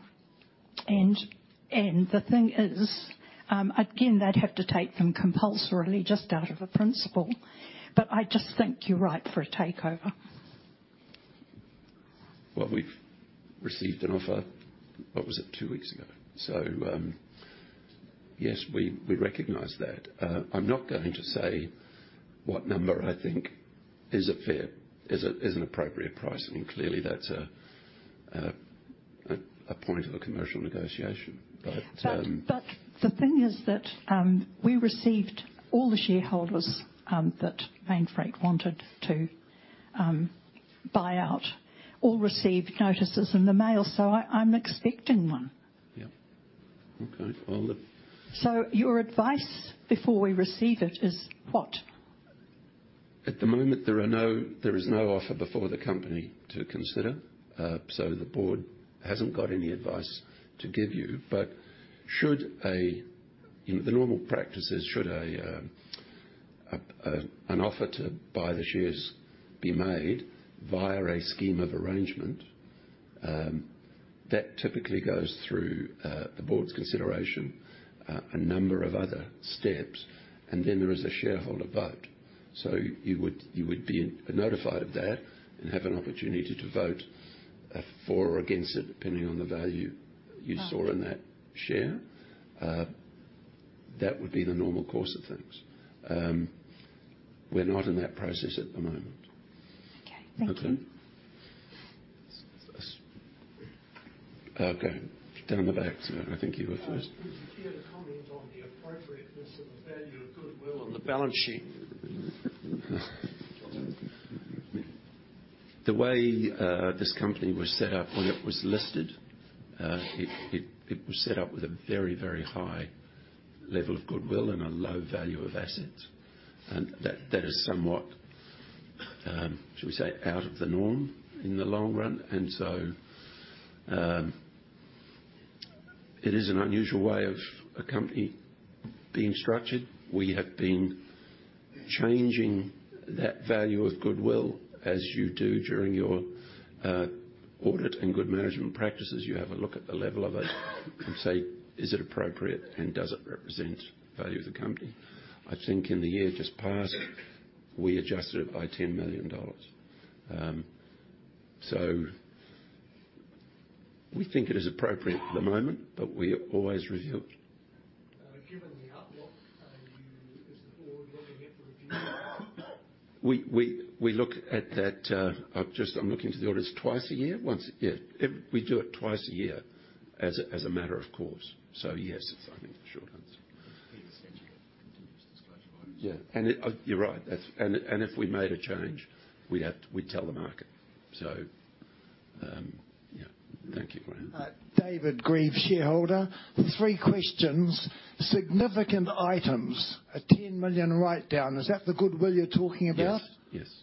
The thing is, again, they'd have to take them compulsorily just out of a principle, but I just think you're ripe for a takeover. We've received an offer, what was it? two weeks ago. Yes, we, we recognize that. I'm not going to say what number I think is a fair, is a, is an appropriate price. I mean, clearly, that's a, a, a point of a commercial negotiation, but But the thing is that, we received all the shareholders, that Mainfreight wanted to, buy out. All received notices in the mail, so I, I'm expecting one. Yeah. Okay. Well. Your advice before we receive it is what? At the moment, there are no, there is no offer before the company to consider. The board hasn't got any advice to give you, but should. The normal practice is, should an offer to buy the shares be made via a scheme of arrangement, that typically goes through the board's consideration, a number of other steps, and then there is a shareholder vote. You would, you would be notified of that and have an opportunity to vote for or against it, depending on the value you saw in that share. Uh. That would be the normal course of things. We're not in that process at the moment. Okay. Thank you. Okay. Okay, down the back. I think you were first. Would you care to comment on the appropriateness of the value of goodwill on the balance sheet? The way this company was set up when it was listed, it, it, it was set up with a very, very high level of goodwill and a low value of assets, and that, that is somewhat, should we say, out of the norm in the long run. It is an unusual way of a company being structured. We have been changing that value of goodwill, as you do during your audit and good management practices. You have a look at the level of it and say: Is it appropriate, and does it represent the value of the company? I think in the year just past, we adjusted it by 10 million dollars. We think it is appropriate at the moment, but we always review it. Given the outlook, are you, is the board looking at it again? We look at that. I'm looking to the auditors twice a year? Once a year. Yeah. We do it twice a year as a matter of course. Yes, I mean, the short answer. Continues disclosure. Yeah, it, you're right. That's, and if we made a change, we'd have to, we'd tell the market. Yeah. Thank you. David Grieve, shareholder. Three questions. Significant items, a 10 million write-down. Is that the goodwill you're talking about? Yes, yes.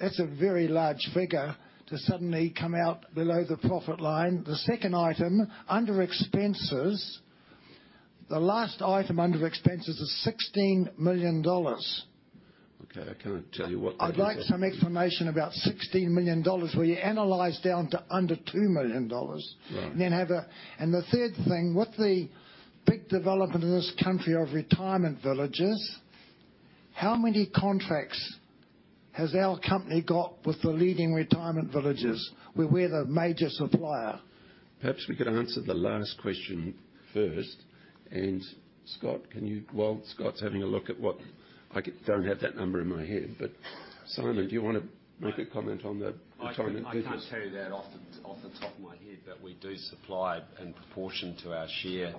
That's a very large figure to suddenly come out below the profit line. The second item, under expenses, the last item under expenses is NZD 16 million. Okay, I can't tell you what that is. I'd like some explanation about 16 million dollars, where you analyze down to under 2 million dollars. Right. The third thing: With the big development in this country of retirement villages, how many contracts has our company got with the leading retirement villages, where we're the major supplier? Perhaps we could answer the last question first. Scott, can you... While Scott's having a look at what, I don't have that number in my head, but Simon, do you want to make a comment on the retirement business? I can't tell you that off the top of my head. We do supply in proportion to our share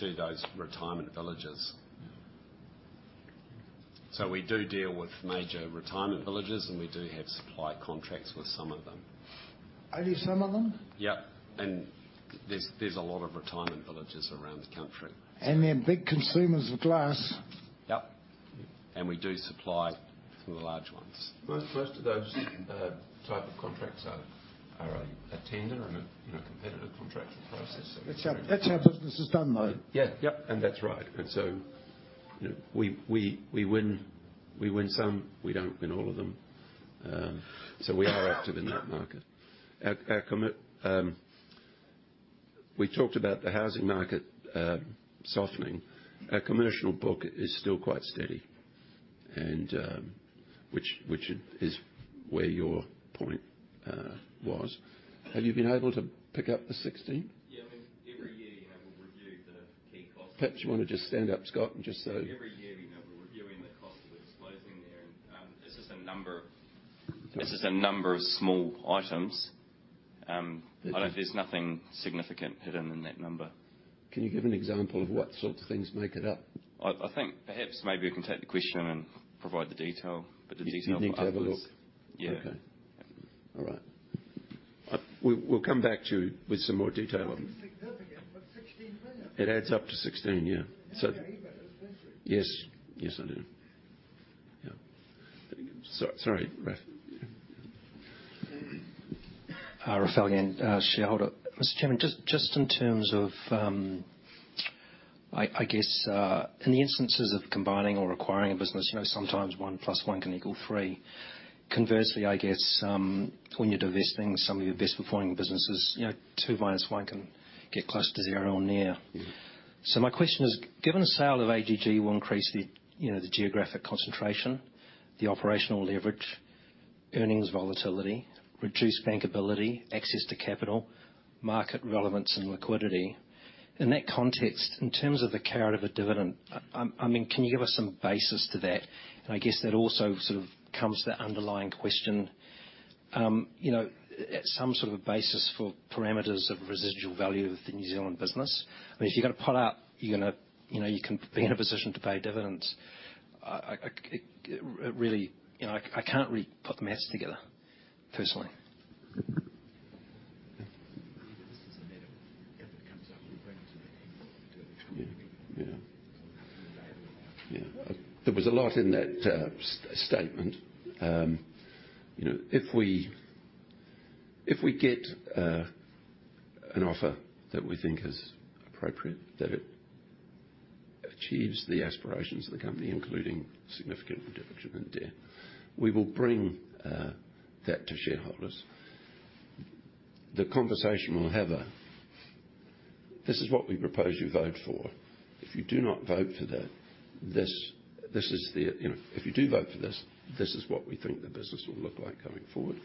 to those retirement villages. We do deal with major retirement villages, and we do have supply contracts with some of them. Only some of them? Yep, there's a lot of retirement villages around the country. They're big consumers of glass. Yep, we do supply some of the large ones. Most, most of those, type of contracts are, are a, a tender and a, you know, competitive contracting process. That's how, that's how business is done, though. Yeah. Yep, that's right. You know, we, we, we win, we win some, we don't win all of them. We are active in that market. We talked about the housing market softening. Our commercial book is still quite steady. Which, which is where your point was. Have you been able to pick up the 16? Yeah, I mean, every year you have a review of the key costs. Perhaps you want to just stand up, Scott, and just. Every year, you know, we're reviewing the cost of exposing there. It's just a number, it's just a number of small items. There's nothing significant hidden in that number. Can you give an example of what sorts of things make it up? I think perhaps, maybe I can take the question and provide the detail, but the detail for upwards... You need to have a look? Yeah. Okay. All right. We'll come back to you with some more detail on it. It's significant, but NZD 16 million. It adds up to 16, yeah. You know even it's expensive. Yes. Yes, I do. Yeah. Sorry, Raf. Raphael Yan, shareholder. Mr. Chairman, just in terms of, I guess, in the instances of combining or acquiring a business, you know, sometimes one plus one can equal three. Conversely, I guess, when you're divesting some of your best performing businesses, you know, two minus one can get close to zero or near. Yeah. My question is: Given the sale of AGG will increase the, you know, the geographic concentration, the operational leverage, earnings volatility, reduced bankability, access to capital, market relevance, and liquidity, in that context, in terms of the carry of a dividend, I mean, can you give us some basis to that? I guess that also sort of comes to the underlying question. You know, at some sort of a basis for parameters of residual value of the New Zealand business. I mean, if you're going to pull out, you're going to, you know, you can be in a position to pay dividends. I, I, I, really, you know, I, I can't really put the math together, personally. Yeah. If it comes up, we'll bring it to the table. Yeah. Yeah. Yeah. There was a lot in that statement. You know, if we, if we get an offer that we think is appropriate, that it achieves the aspirations of the company, including significant reduction in debt, we will bring that to shareholders. The conversation will have a. This is what we propose you vote for. You know, if you do vote for this, this is what we think the business will look like going forward.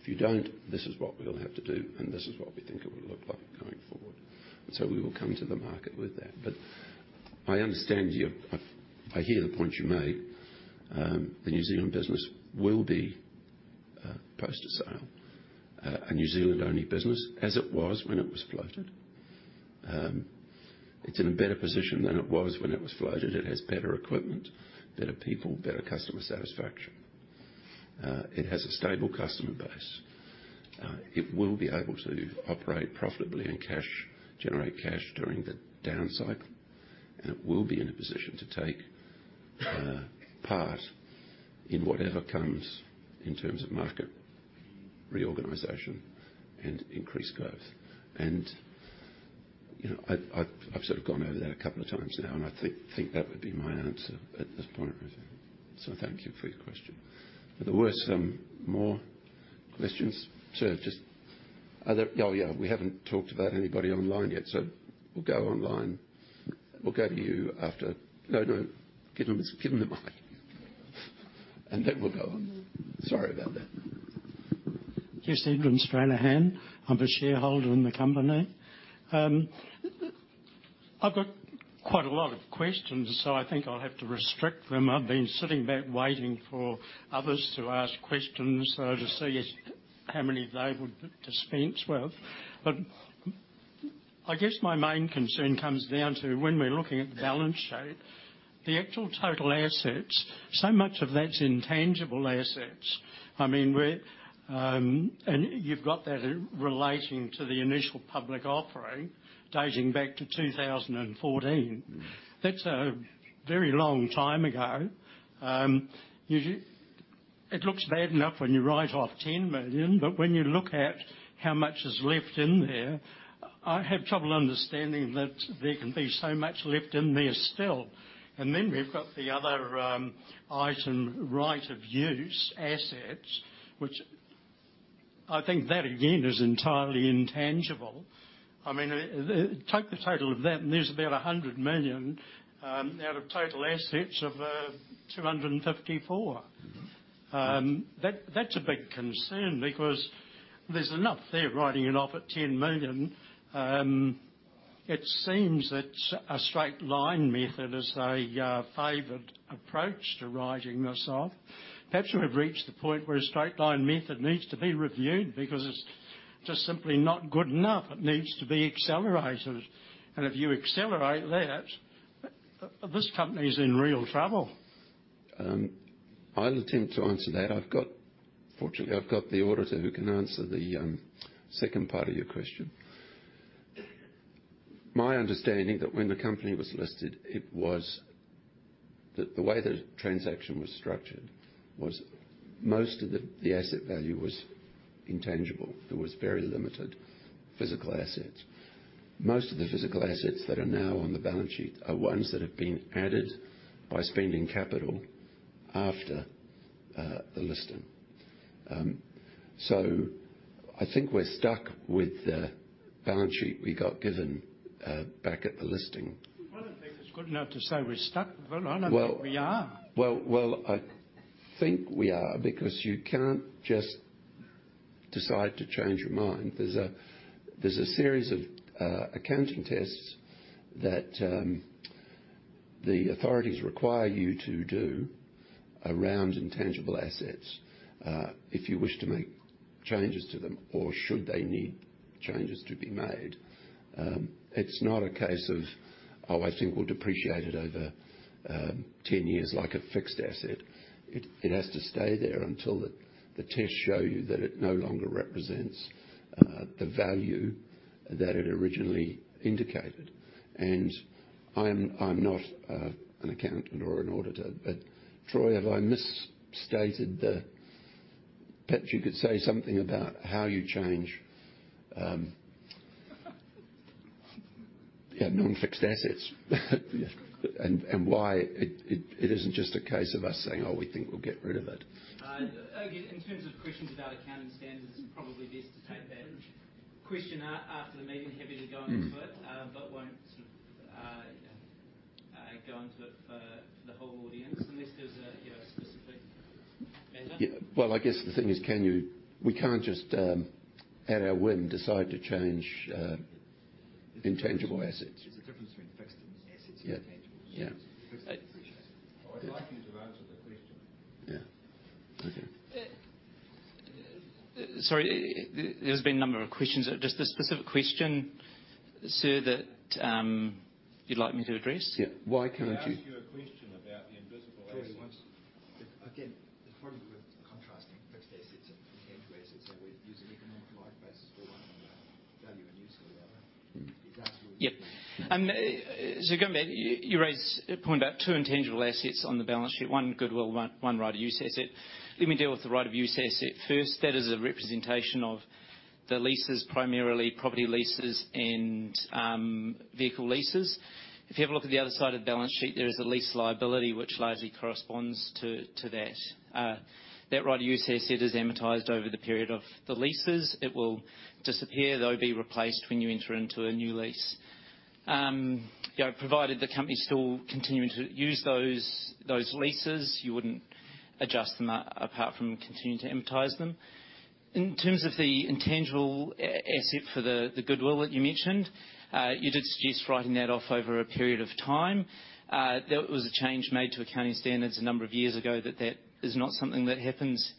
If you don't, this is what we'll have to do, and this is what we think it will look like going forward. We will come to the market with that. I understand you. I, I hear the point you made. The New Zealand business will be post a sale. A New Zealand-only business, as it was when it was floated. It's in a better position than it was when it was floated. It has better equipment, better people, better customer satisfaction. It has a stable customer base. It will be able to operate profitably and cash, generate cash during the down cycle, it will be in a position to take part in whatever comes in terms of market reorganization and increased growth. You know, I've, I've, I've sort of gone over that a couple of times now, and I think that would be my answer at this point, Raphael. Thank you for your question. There were some more questions to just... Oh, yeah, we haven't talked about anybody online yet, we'll go online. We'll go to you after... No, no. Give him his, give him the mic. Then we'll go on. Sorry about that. Jesse Evans, Stranahan. I'm a shareholder in the company. I've got quite a lot of questions. I think I'll have to restrict them. I've been sitting back waiting for others to ask questions to see if how many they would dispense with. I guess my main concern comes down to when we're looking at the balance sheet, the actual total assets, so much of that's intangible assets. I mean, we're. You've got that relating to the initial public offering dating back to 2014. That's a very long time ago. It looks bad enough when you write off 10 million. When you look at how much is left in there, I have trouble understanding that there can be so much left in there still. Then we've got the other, item, right-of-use assets, which I think that, again, is entirely intangible. I mean, take the total of that, and there's about 100 million out of total assets of 254. That's a big concern because there's enough there, writing it off at 10 million. It seems that a straight line method is a favored approach to writing this off. Perhaps we've reached the point where a straight line method needs to be reviewed because it's just simply not good enough. It needs to be accelerated. If you accelerate that, this company is in real trouble. I'll attempt to answer that. I've got, fortunately, I've got the auditor who can answer the second part of your question. My understanding that when the company was listed, it was, the way the transaction was structured was most of the asset value was intangible. There was very limited physical assets. Most of the physical assets that are now on the balance sheet are ones that have been added by spending capital after the listing. I think we're stuck with the balance sheet we got given back at the listing. Well, I think it's good enough to say we're stuck with it. I don't think we are. Well, well, I think we are, because you can't just decide to change your mind. There's a, there's a series of accounting tests that the authorities require you to do around intangible assets, if you wish to make changes to them or should they need changes to be made. It's not a case of, oh, I think we'll depreciate it over 10 years, like a fixed asset. It, it has to stay there until the, the tests show you that it no longer represents the value that it originally indicated. I'm, I'm not an accountant or an auditor, but Troy, have I misstated the... Perhaps you could say something about how you change, yeah, non-fixed assets, and, and why it, it, it isn't just a case of us saying, "Oh, we think we'll get rid of it. Again, in terms of questions about accounting standards, it's probably best to take that question after the meeting. Happy to go into it. Mm-hmm. Won't go into it for, for the whole audience, unless there's a, you know, specific matter. Yeah. Well, I guess the thing is, we can't just at our whim, decide to change intangible assets. There's a difference between fixed assets. Yeah. and intangible assets. Yeah. Intangible assets. I would like to you answer the question. Yeah. Okay. Sorry, there's been a number of questions. Just the specific question, sir, that you'd like me to address? Yeah. Why can't you- I asked you a question about the invisible assets. It's probably worth contrasting fixed assets and intangible assets, and we're using economic life as value and use for the other. Yep. Going back, you raised a point about two intangible assets on the balance sheet, one goodwill, one right-of-use asset. Let me deal with the right-of-use asset first. That is a representation of the leases, primarily property leases and vehicle leases. If you have a look at the other side of the balance sheet, there is a lease liability, which largely corresponds to that. That right-of-use asset is amortized over the period of the leases. It will disappear, though, be replaced when you enter into a new lease. you know, provided the company is still continuing to use those leases, you wouldn't adjust them apart from continuing to amortize them. In terms of the intangible asset for the goodwill that you mentioned, you did suggest writing that off over a period of time. That was a change made to accounting standards a number of years ago, that that is not something that happens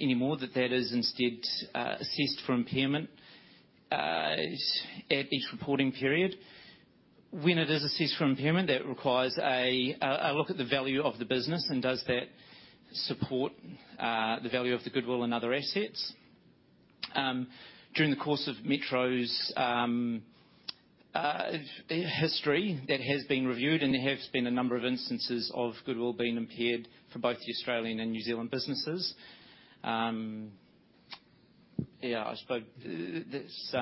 anymore, that that is instead, assessed for impairment at each reporting period. When it is assessed for impairment, that requires a look at the value of the business and does that support the value of the goodwill and other assets? During the course of Metro's history, that has been reviewed, and there have been a number of instances of goodwill being impaired for both the Australian and New Zealand businesses. Yeah, I suppose, that's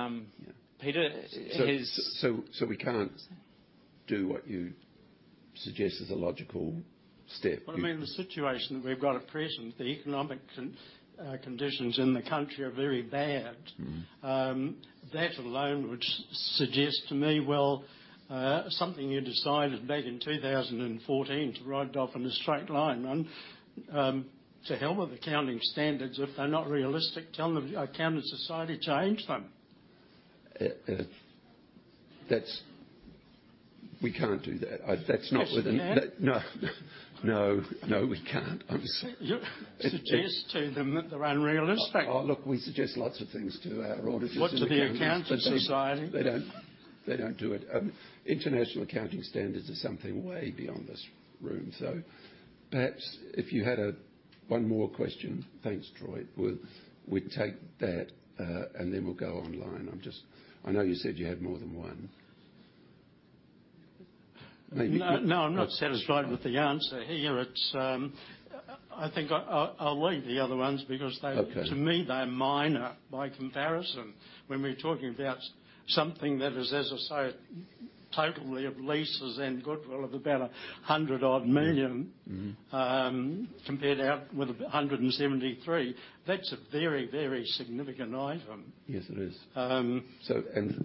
Peter, it is. We can't do what you suggest as a logical step? Well, I mean, the situation that we've got at present, the economic conditions in the country are very bad. Mm-hmm. That alone, which suggests to me, well, something you decided back in 2014 to write off in a straight line, then, to hell with accounting standards. If they're not realistic, tell them, Accounting Society, change them. That's... We can't do that. That's not within- Yes, you can. No. No, no, we can't, obviously. You suggest to them that they're unrealistic. Oh, look, we suggest lots of things to our auditors. What to the Accounting Society? They don't, they don't do it. International accounting standards are something way beyond this room, so perhaps if you had one more question. Thanks, Troy. We'll, we'd take that, and then we'll go online. I'm just. I know you said you had more than one. No, I'm not satisfied with the answer here. It's, I think I, I'll leave the other ones because they-. Okay. To me, they're minor by comparison. When we're talking about something that is, as I say, totally of leases and goodwill of about 100 odd million- Mm-hmm. Mm-hmm. Compared out with 173, that's a very, very significant item. Yes, it is. Um-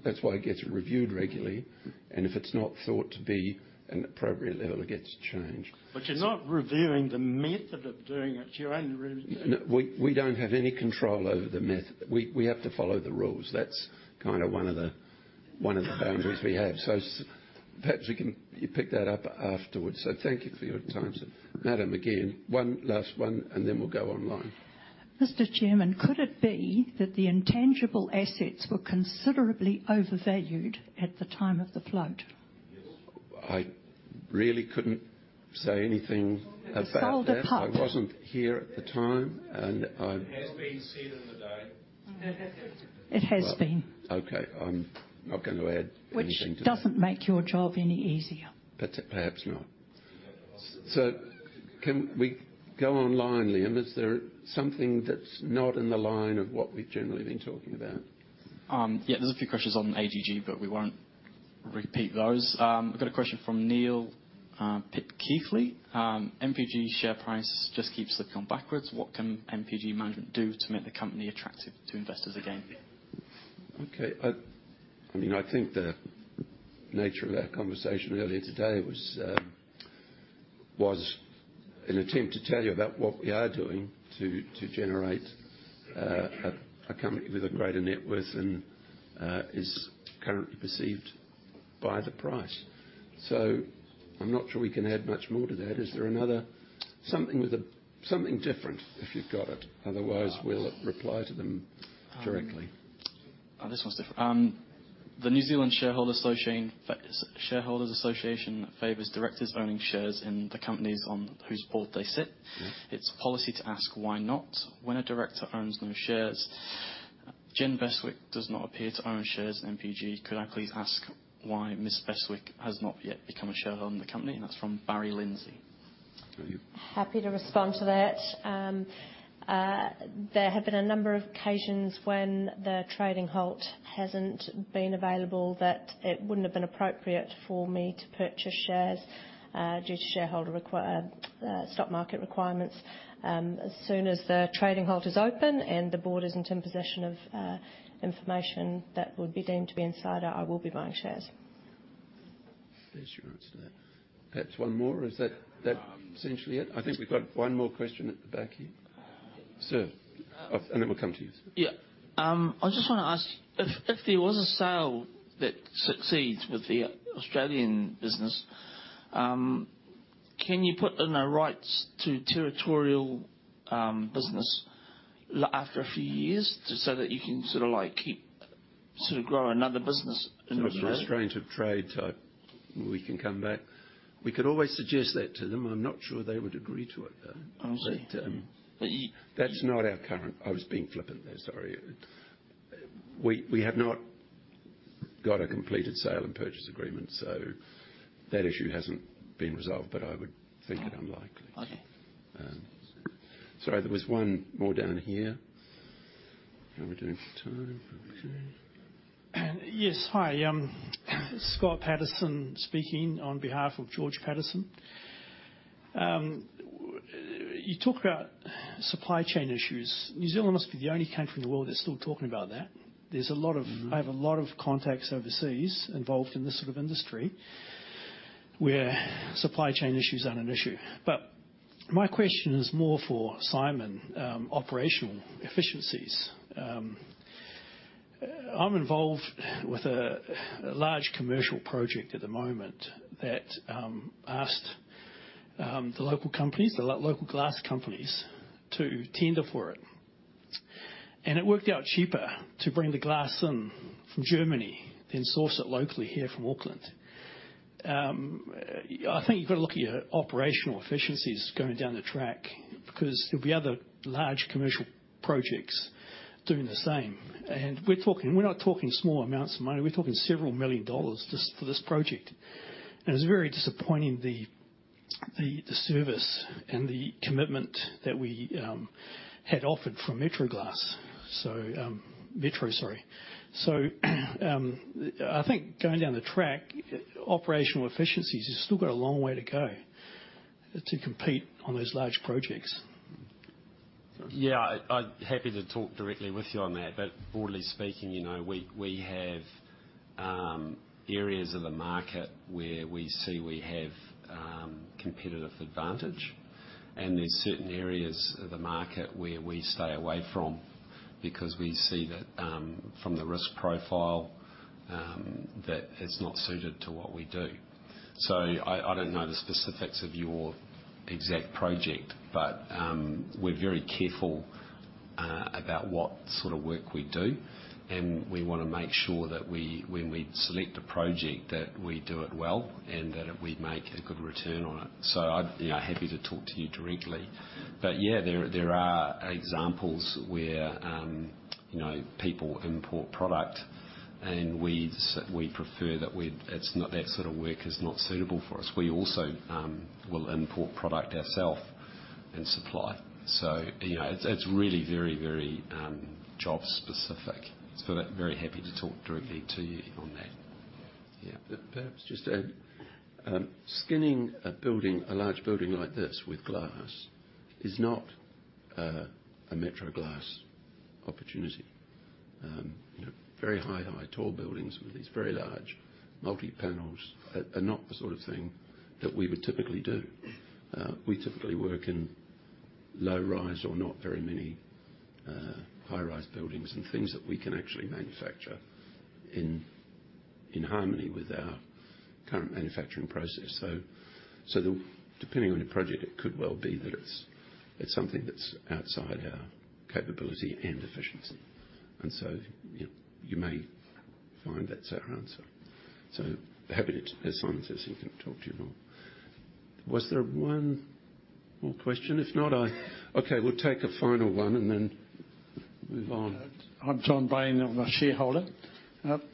That's why it gets reviewed regularly, and if it's not thought to be an appropriate level, it gets changed. You're not reviewing the method of doing it. You're only reviewing- No, we, we don't have any control over the method. We, we have to follow the rules. That's kind of one of the, one of the boundaries we have. Perhaps we can, you pick that up afterwards. Thank you for your time, sir. Madam, again, one last one, and then we'll go online. Mr. Chairman, could it be that the intangible assets were considerably overvalued at the time of the float? I really couldn't say anything about that. Sold apart. I wasn't here at the time. It has been said in the day. It has been. Okay, I'm not going to add anything to that. Which doesn't make your job any easier. Perhaps not. Can we go online, Liam? Is there something that's not in the line of what we've generally been talking about? Yeah, there's a few questions on AGG, but we won't... ... repeat those. I've got a question from Neil Pitkethley. "MPG share price just keeps slipping backwards. What can MPG management do to make the company attractive to investors again? Okay. I, I mean, I think the nature of our conversation earlier today was, was an attempt to tell you about what we are doing to, to generate, a company with a greater net worth than, is currently perceived by the price. I'm not sure we can add much more to that. Is there something with a, something different, if you've got it? Otherwise, we'll reply to them directly. Oh, this one's different. The New Zealand Shareholders' Association favors directors owning shares in the companies on whose board they sit. Mm-hmm. It's policy to ask why not, when a director owns no shares. Jenn Bestwick does not appear to own shares in MPG. Could I please ask why Ms. Bestwick has not yet become a shareholder in the company? That's from Barry Lindsay. To you. Happy to respond to that. There have been a number of occasions when the trading halt hasn't been available, that it wouldn't have been appropriate for me to purchase shares, due to shareholder require, stock market requirements. As soon as the trading halt is open, and the board is in possession of, information that would be deemed to be insider, I will be buying shares. There's your answer. Perhaps one more, or is that, that essentially it? I think we've got one more question at the back here. Sir? Then we'll come to you. Yeah. I just want to ask: If, if there was a sale that succeeds with the Australian business, can you put in the rights to territorial, business after a few years, just so that you can sort of, like, keep, sort of, grow another business? It's a restraint of trade type, we can come back? We could always suggest that to them. I'm not sure they would agree to it, though. I see. But, um- But you- That's not our current... I was being flippant there. Sorry. We have not got a completed sale and purchase agreement, so that issue hasn't been resolved, but I would think it unlikely. Okay. Sorry, there was one more down here. How are we doing for time? Okay. Yes. Hi, Scott Patterson speaking, on behalf of George Patterson. You talk about supply chain issues. New Zealand must be the only country in the world that's still talking about that. There's a lot of- Mm-hmm. I have a lot of contacts overseas involved in this sort of industry, where supply chain issues aren't an issue. My question is more for Simon. Operational efficiencies. I'm involved with a large commercial project at the moment that asked the local companies, the local glass companies, to tender for it. It worked out cheaper to bring the glass in from Germany than source it locally here from Auckland. I think you've got to look at your operational efficiencies going down the track, because there'll be other large commercial projects doing the same. We're talking, we're not talking small amounts of money. We're talking several million NZD just for this project. It's very disappointing, the service and the commitment that we had offered from Metro Glass. Metro, sorry. I think going down the track, operational efficiencies, you've still got a long way to go to compete on those large projects. Yeah. I'd happy to talk directly with you on that. Broadly speaking, you know, we have areas of the market where we see we have competitive advantage. There's certain areas of the market where we stay away from, because we see that from the risk profile that it's not suited to what we do. I don't know the specifics of your exact project, but we're very careful about what sort of work we do. We want to make sure that we, when we select a project, that we do it well, and that we make a good return on it. I'd, you know, happy to talk to you directly. Yeah, there are examples where, you know, people import product, and we prefer that we... It's not, that sort of work is not suitable for us. We also will import product ourselves and supply. You know, it's, it's really very, very, job specific. I'm very happy to talk directly to you on that. Yeah. Perhaps just add, skinning a building, a large building like this, with glass is not a Metro Glass opportunity. You know, very high, high, tall buildings with these very large multi panels are not the sort of thing that we would typically do. We typically work in low-rise or not very many high-rise buildings, and things that we can actually manufacture in, in harmony with our current manufacturing process. Depending on your project, it could well be that it's something that's outside our capability and efficiency. You may find that's our answer. Happy to, as Simon says, he can talk to you more. Was there one more question? If not, Okay, we'll take a final one, and then. I'm John Baine. I'm a shareholder.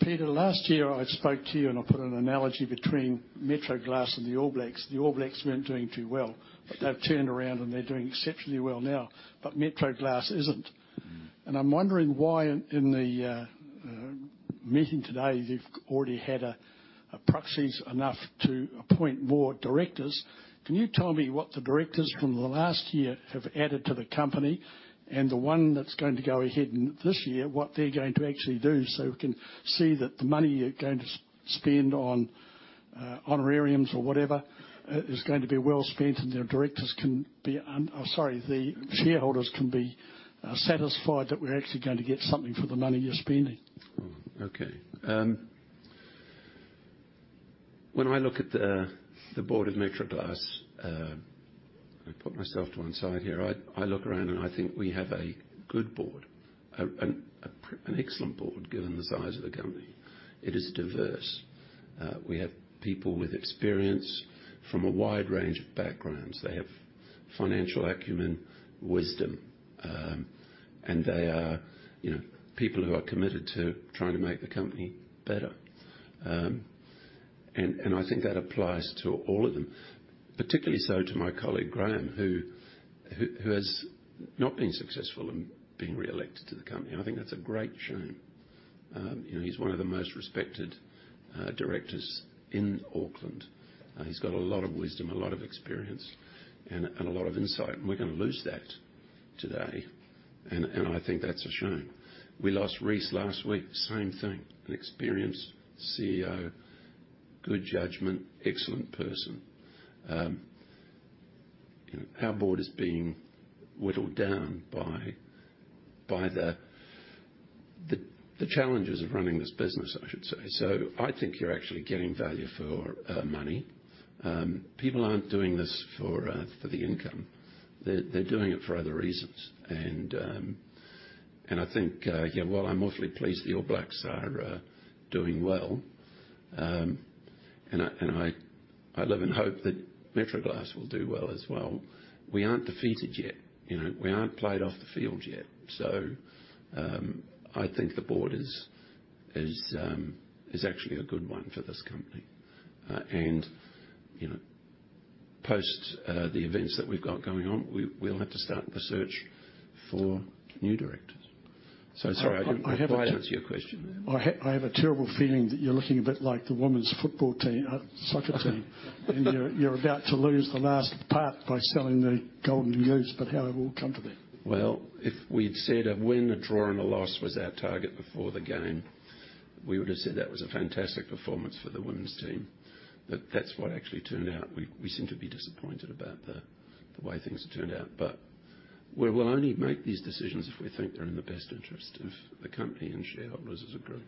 Peter, last year I spoke to you. I put an analogy between Metro Glass and the All Blacks. The All Blacks weren't doing too well, but they've turned around, and they're doing exceptionally well now. Metro Glass isn't. Mm-hmm. I'm wondering why in, in the meeting today, you've already had proxies enough to appoint more directors. Can you tell me what the directors from the last year have added to the company? The one that's going to go ahead in this year, what they're going to actually do, so we can see that the money you're going to spend on honorariums or whatever, is going to be well spent, and their directors can be. I'm sorry, the shareholders can be satisfied that we're actually going to get something for the money you're spending. Hmm, okay. When I look at the board of Metro Glass, I put myself to one side here. I, I look around, I think we have a good board. An excellent board, given the size of the company. It is diverse. We have people with experience from a wide range of backgrounds. They have financial acumen, wisdom, they are, you know, people who are committed to trying to make the company better. And I think that applies to all of them, particularly so to my colleague, Graham, who has not been successful in being re-elected to the company. I think that's a great shame. You know, he's one of the most respected directors in Auckland. He's got a lot of wisdom, a lot of experience, and, and a lot of insight, and we're gonna lose that today, and, and I think that's a shame. We lost Rhys last week, same thing, an experienced CEO, good judgment, excellent person. You know, our board is being whittled down by, by the, the, the challenges of running this business, I should say. I think you're actually getting value for money. People aren't doing this for the income. They're, they're doing it for other reasons. I think, yeah, while I'm awfully pleased the All Blacks are doing well, and I, and I, I live in hope that Metro Glass will do well as well. We aren't defeated yet, you know? We aren't played off the field yet. I think the board is, is actually a good one for this company. You know, post, the events that we've got going on, we, we'll have to start the search for new directors. Sorry, I didn't quite answer your question then. I have a terrible feeling that you're looking a bit like the women's football team, soccer team. You're, you're about to lose the last part by selling the golden goose. How it will all come to that. Well, if we'd said a win, a draw, and a loss was our target before the game, we would have said that was a fantastic performance for the women's team. That's what actually turned out. We, we seem to be disappointed about the, the way things have turned out. We will only make these decisions if we think they're in the best interest of the company and shareholders as a group.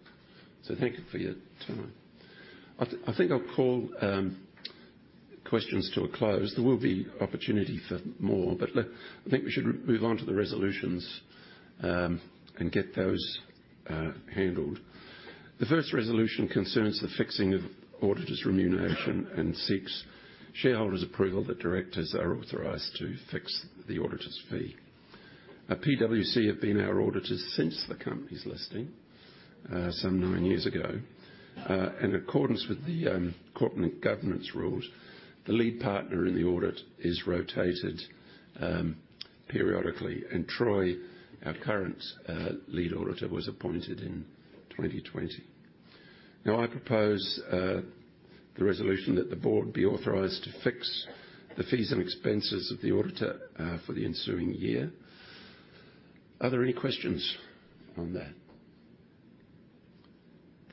Thank you for your time. I think I'll call questions to a close. There will be opportunity for more, but I think we should move on to the resolutions, and get those handled. The first resolution concerns the fixing of auditors' remuneration and seeks shareholders' approval that directors are authorized to fix the auditors' fee. PwC have been our auditors since the company's listing, some 9 years ago. In accordance with the corporate governance rules, the lead partner in the audit is rotated periodically, and Troy, our current lead auditor, was appointed in 2020. I propose the resolution that the board be authorized to fix the fees and expenses of the auditor for the ensuing year. Are there any questions on that?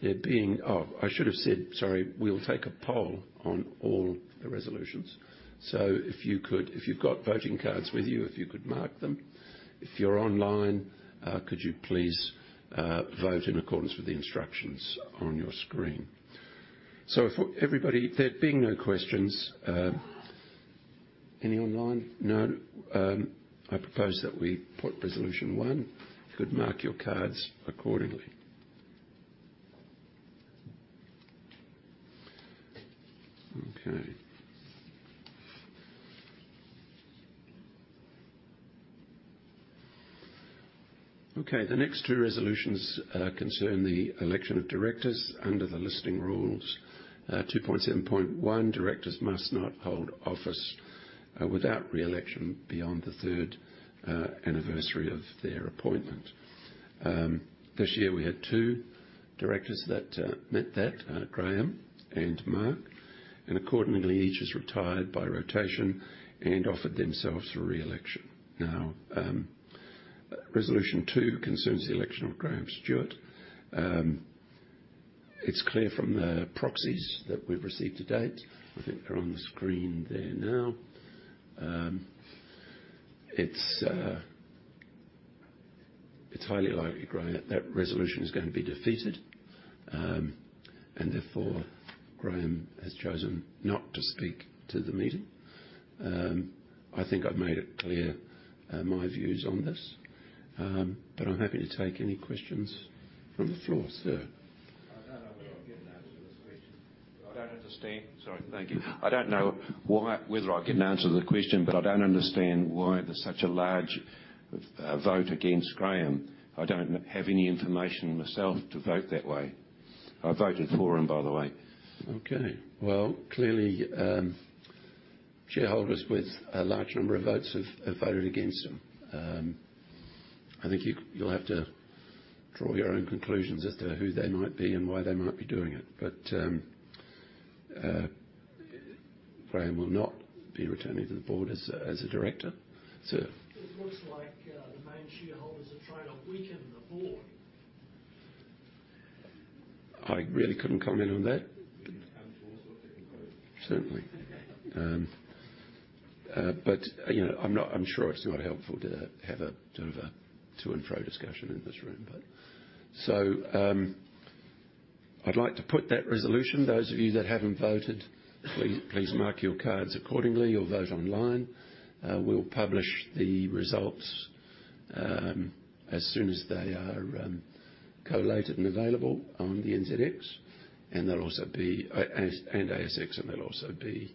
There being. Oh, I should have said, sorry, we'll take a poll on all the resolutions. If you could, if you've got voting cards with you, if you could mark them. If you're online, could you please vote in accordance with the instructions on your screen? If everybody, there being no questions, any online? No. I propose that we put Resolution 1. You could mark your cards accordingly. Okay. Okay, the next two resolutions concern the election of directors under the listing rules. 2.7.1, directors must not hold office without re-election beyond the 3rd anniversary of their appointment. This year, we had two directors that met that, Graham and Mark, and accordingly, each has retired by rotation and offered themselves for re-election. Resolution 2 concerns the election of Graham Stuart. It's clear from the proxies that we've received to date, I think they're on the screen there now. It's, it's highly likely, Graham, that resolution is going to be defeated. Therefore, Graham has chosen not to speak to the meeting. I think I've made it clear, my views on this, but I'm happy to take any questions from the floor. Sir? I don't know if we're getting that... I don't understand. Sorry, thank you. I don't know why, whether I can answer the question, but I don't understand why there's such a large, vote against Graham. I don't have any information myself to vote that way. I voted for him, by the way. Okay. Well, clearly, shareholders with a large number of votes have, have voted against him. I think you, you'll have to draw your own conclusions as to who they might be and why they might be doing it. Graham will not be returning to the board as a director. It looks like, the main shareholders are trying to weaken the board. I really couldn't comment on that. Certainly. You know, I'm sure it's not helpful to have a sort of a to-and-fro discussion in this room. I'd like to put that resolution. Those of you that haven't voted, please, please mark your cards accordingly or vote online. We'll publish the results as soon as they are collated and available on the NZX, and they'll also be and ASX, and they'll also be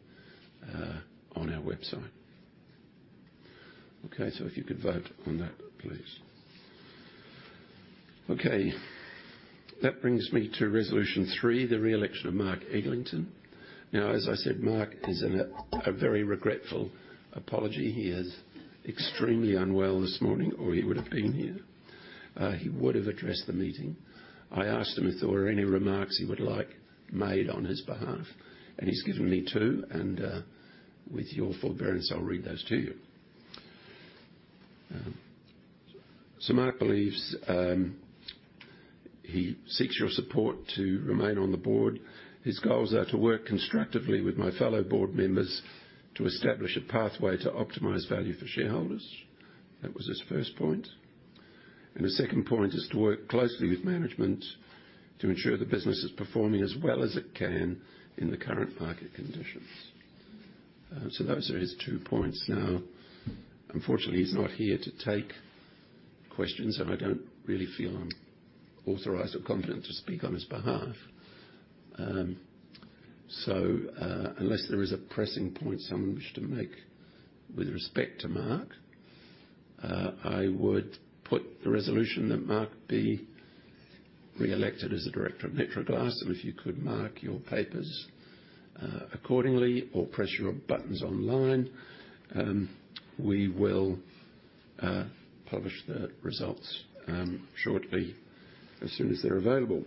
on our website. Okay, if you could vote on that, please. Okay, that brings me to Resolution 3, the re-election of Mark Eglinton. As I said, Mark is in a very regretful apology. He is extremely unwell this morning, or he would have been here. He would have addressed the meeting. I asked him if there were any remarks he would like made on his behalf, and he's given me two, and with your forbearance, I'll read those to you. Mark believes he seeks your support to remain on the board. His goals are to work constructively with my fellow board members to establish a pathway to optimize value for shareholders. That was his first point. The second point is to work closely with management to ensure the business is performing as well as it can in the current market conditions. Those are his two points. Unfortunately, he's not here to take questions, and I don't really feel I'm authorized or confident to speak on his behalf. Unless there is a pressing point some wish to make with respect to Mark, I would put the resolution that Mark be re-elected as a director of Metro Performance Glass, and if you could mark your papers accordingly or press your buttons online, we will publish the results shortly, as soon as they're available.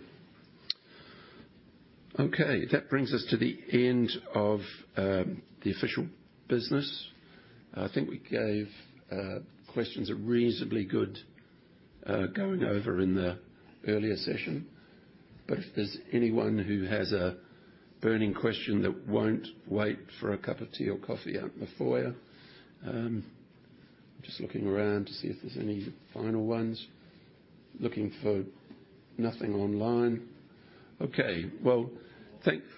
Okay, that brings us to the end of the official business. I think we gave questions a reasonably good going over in the earlier session. If there's anyone who has a burning question that won't wait for a cup of tea or coffee out in the foyer, Just looking around to see if there's any final ones. Looking for nothing online. Okay. Well, thank-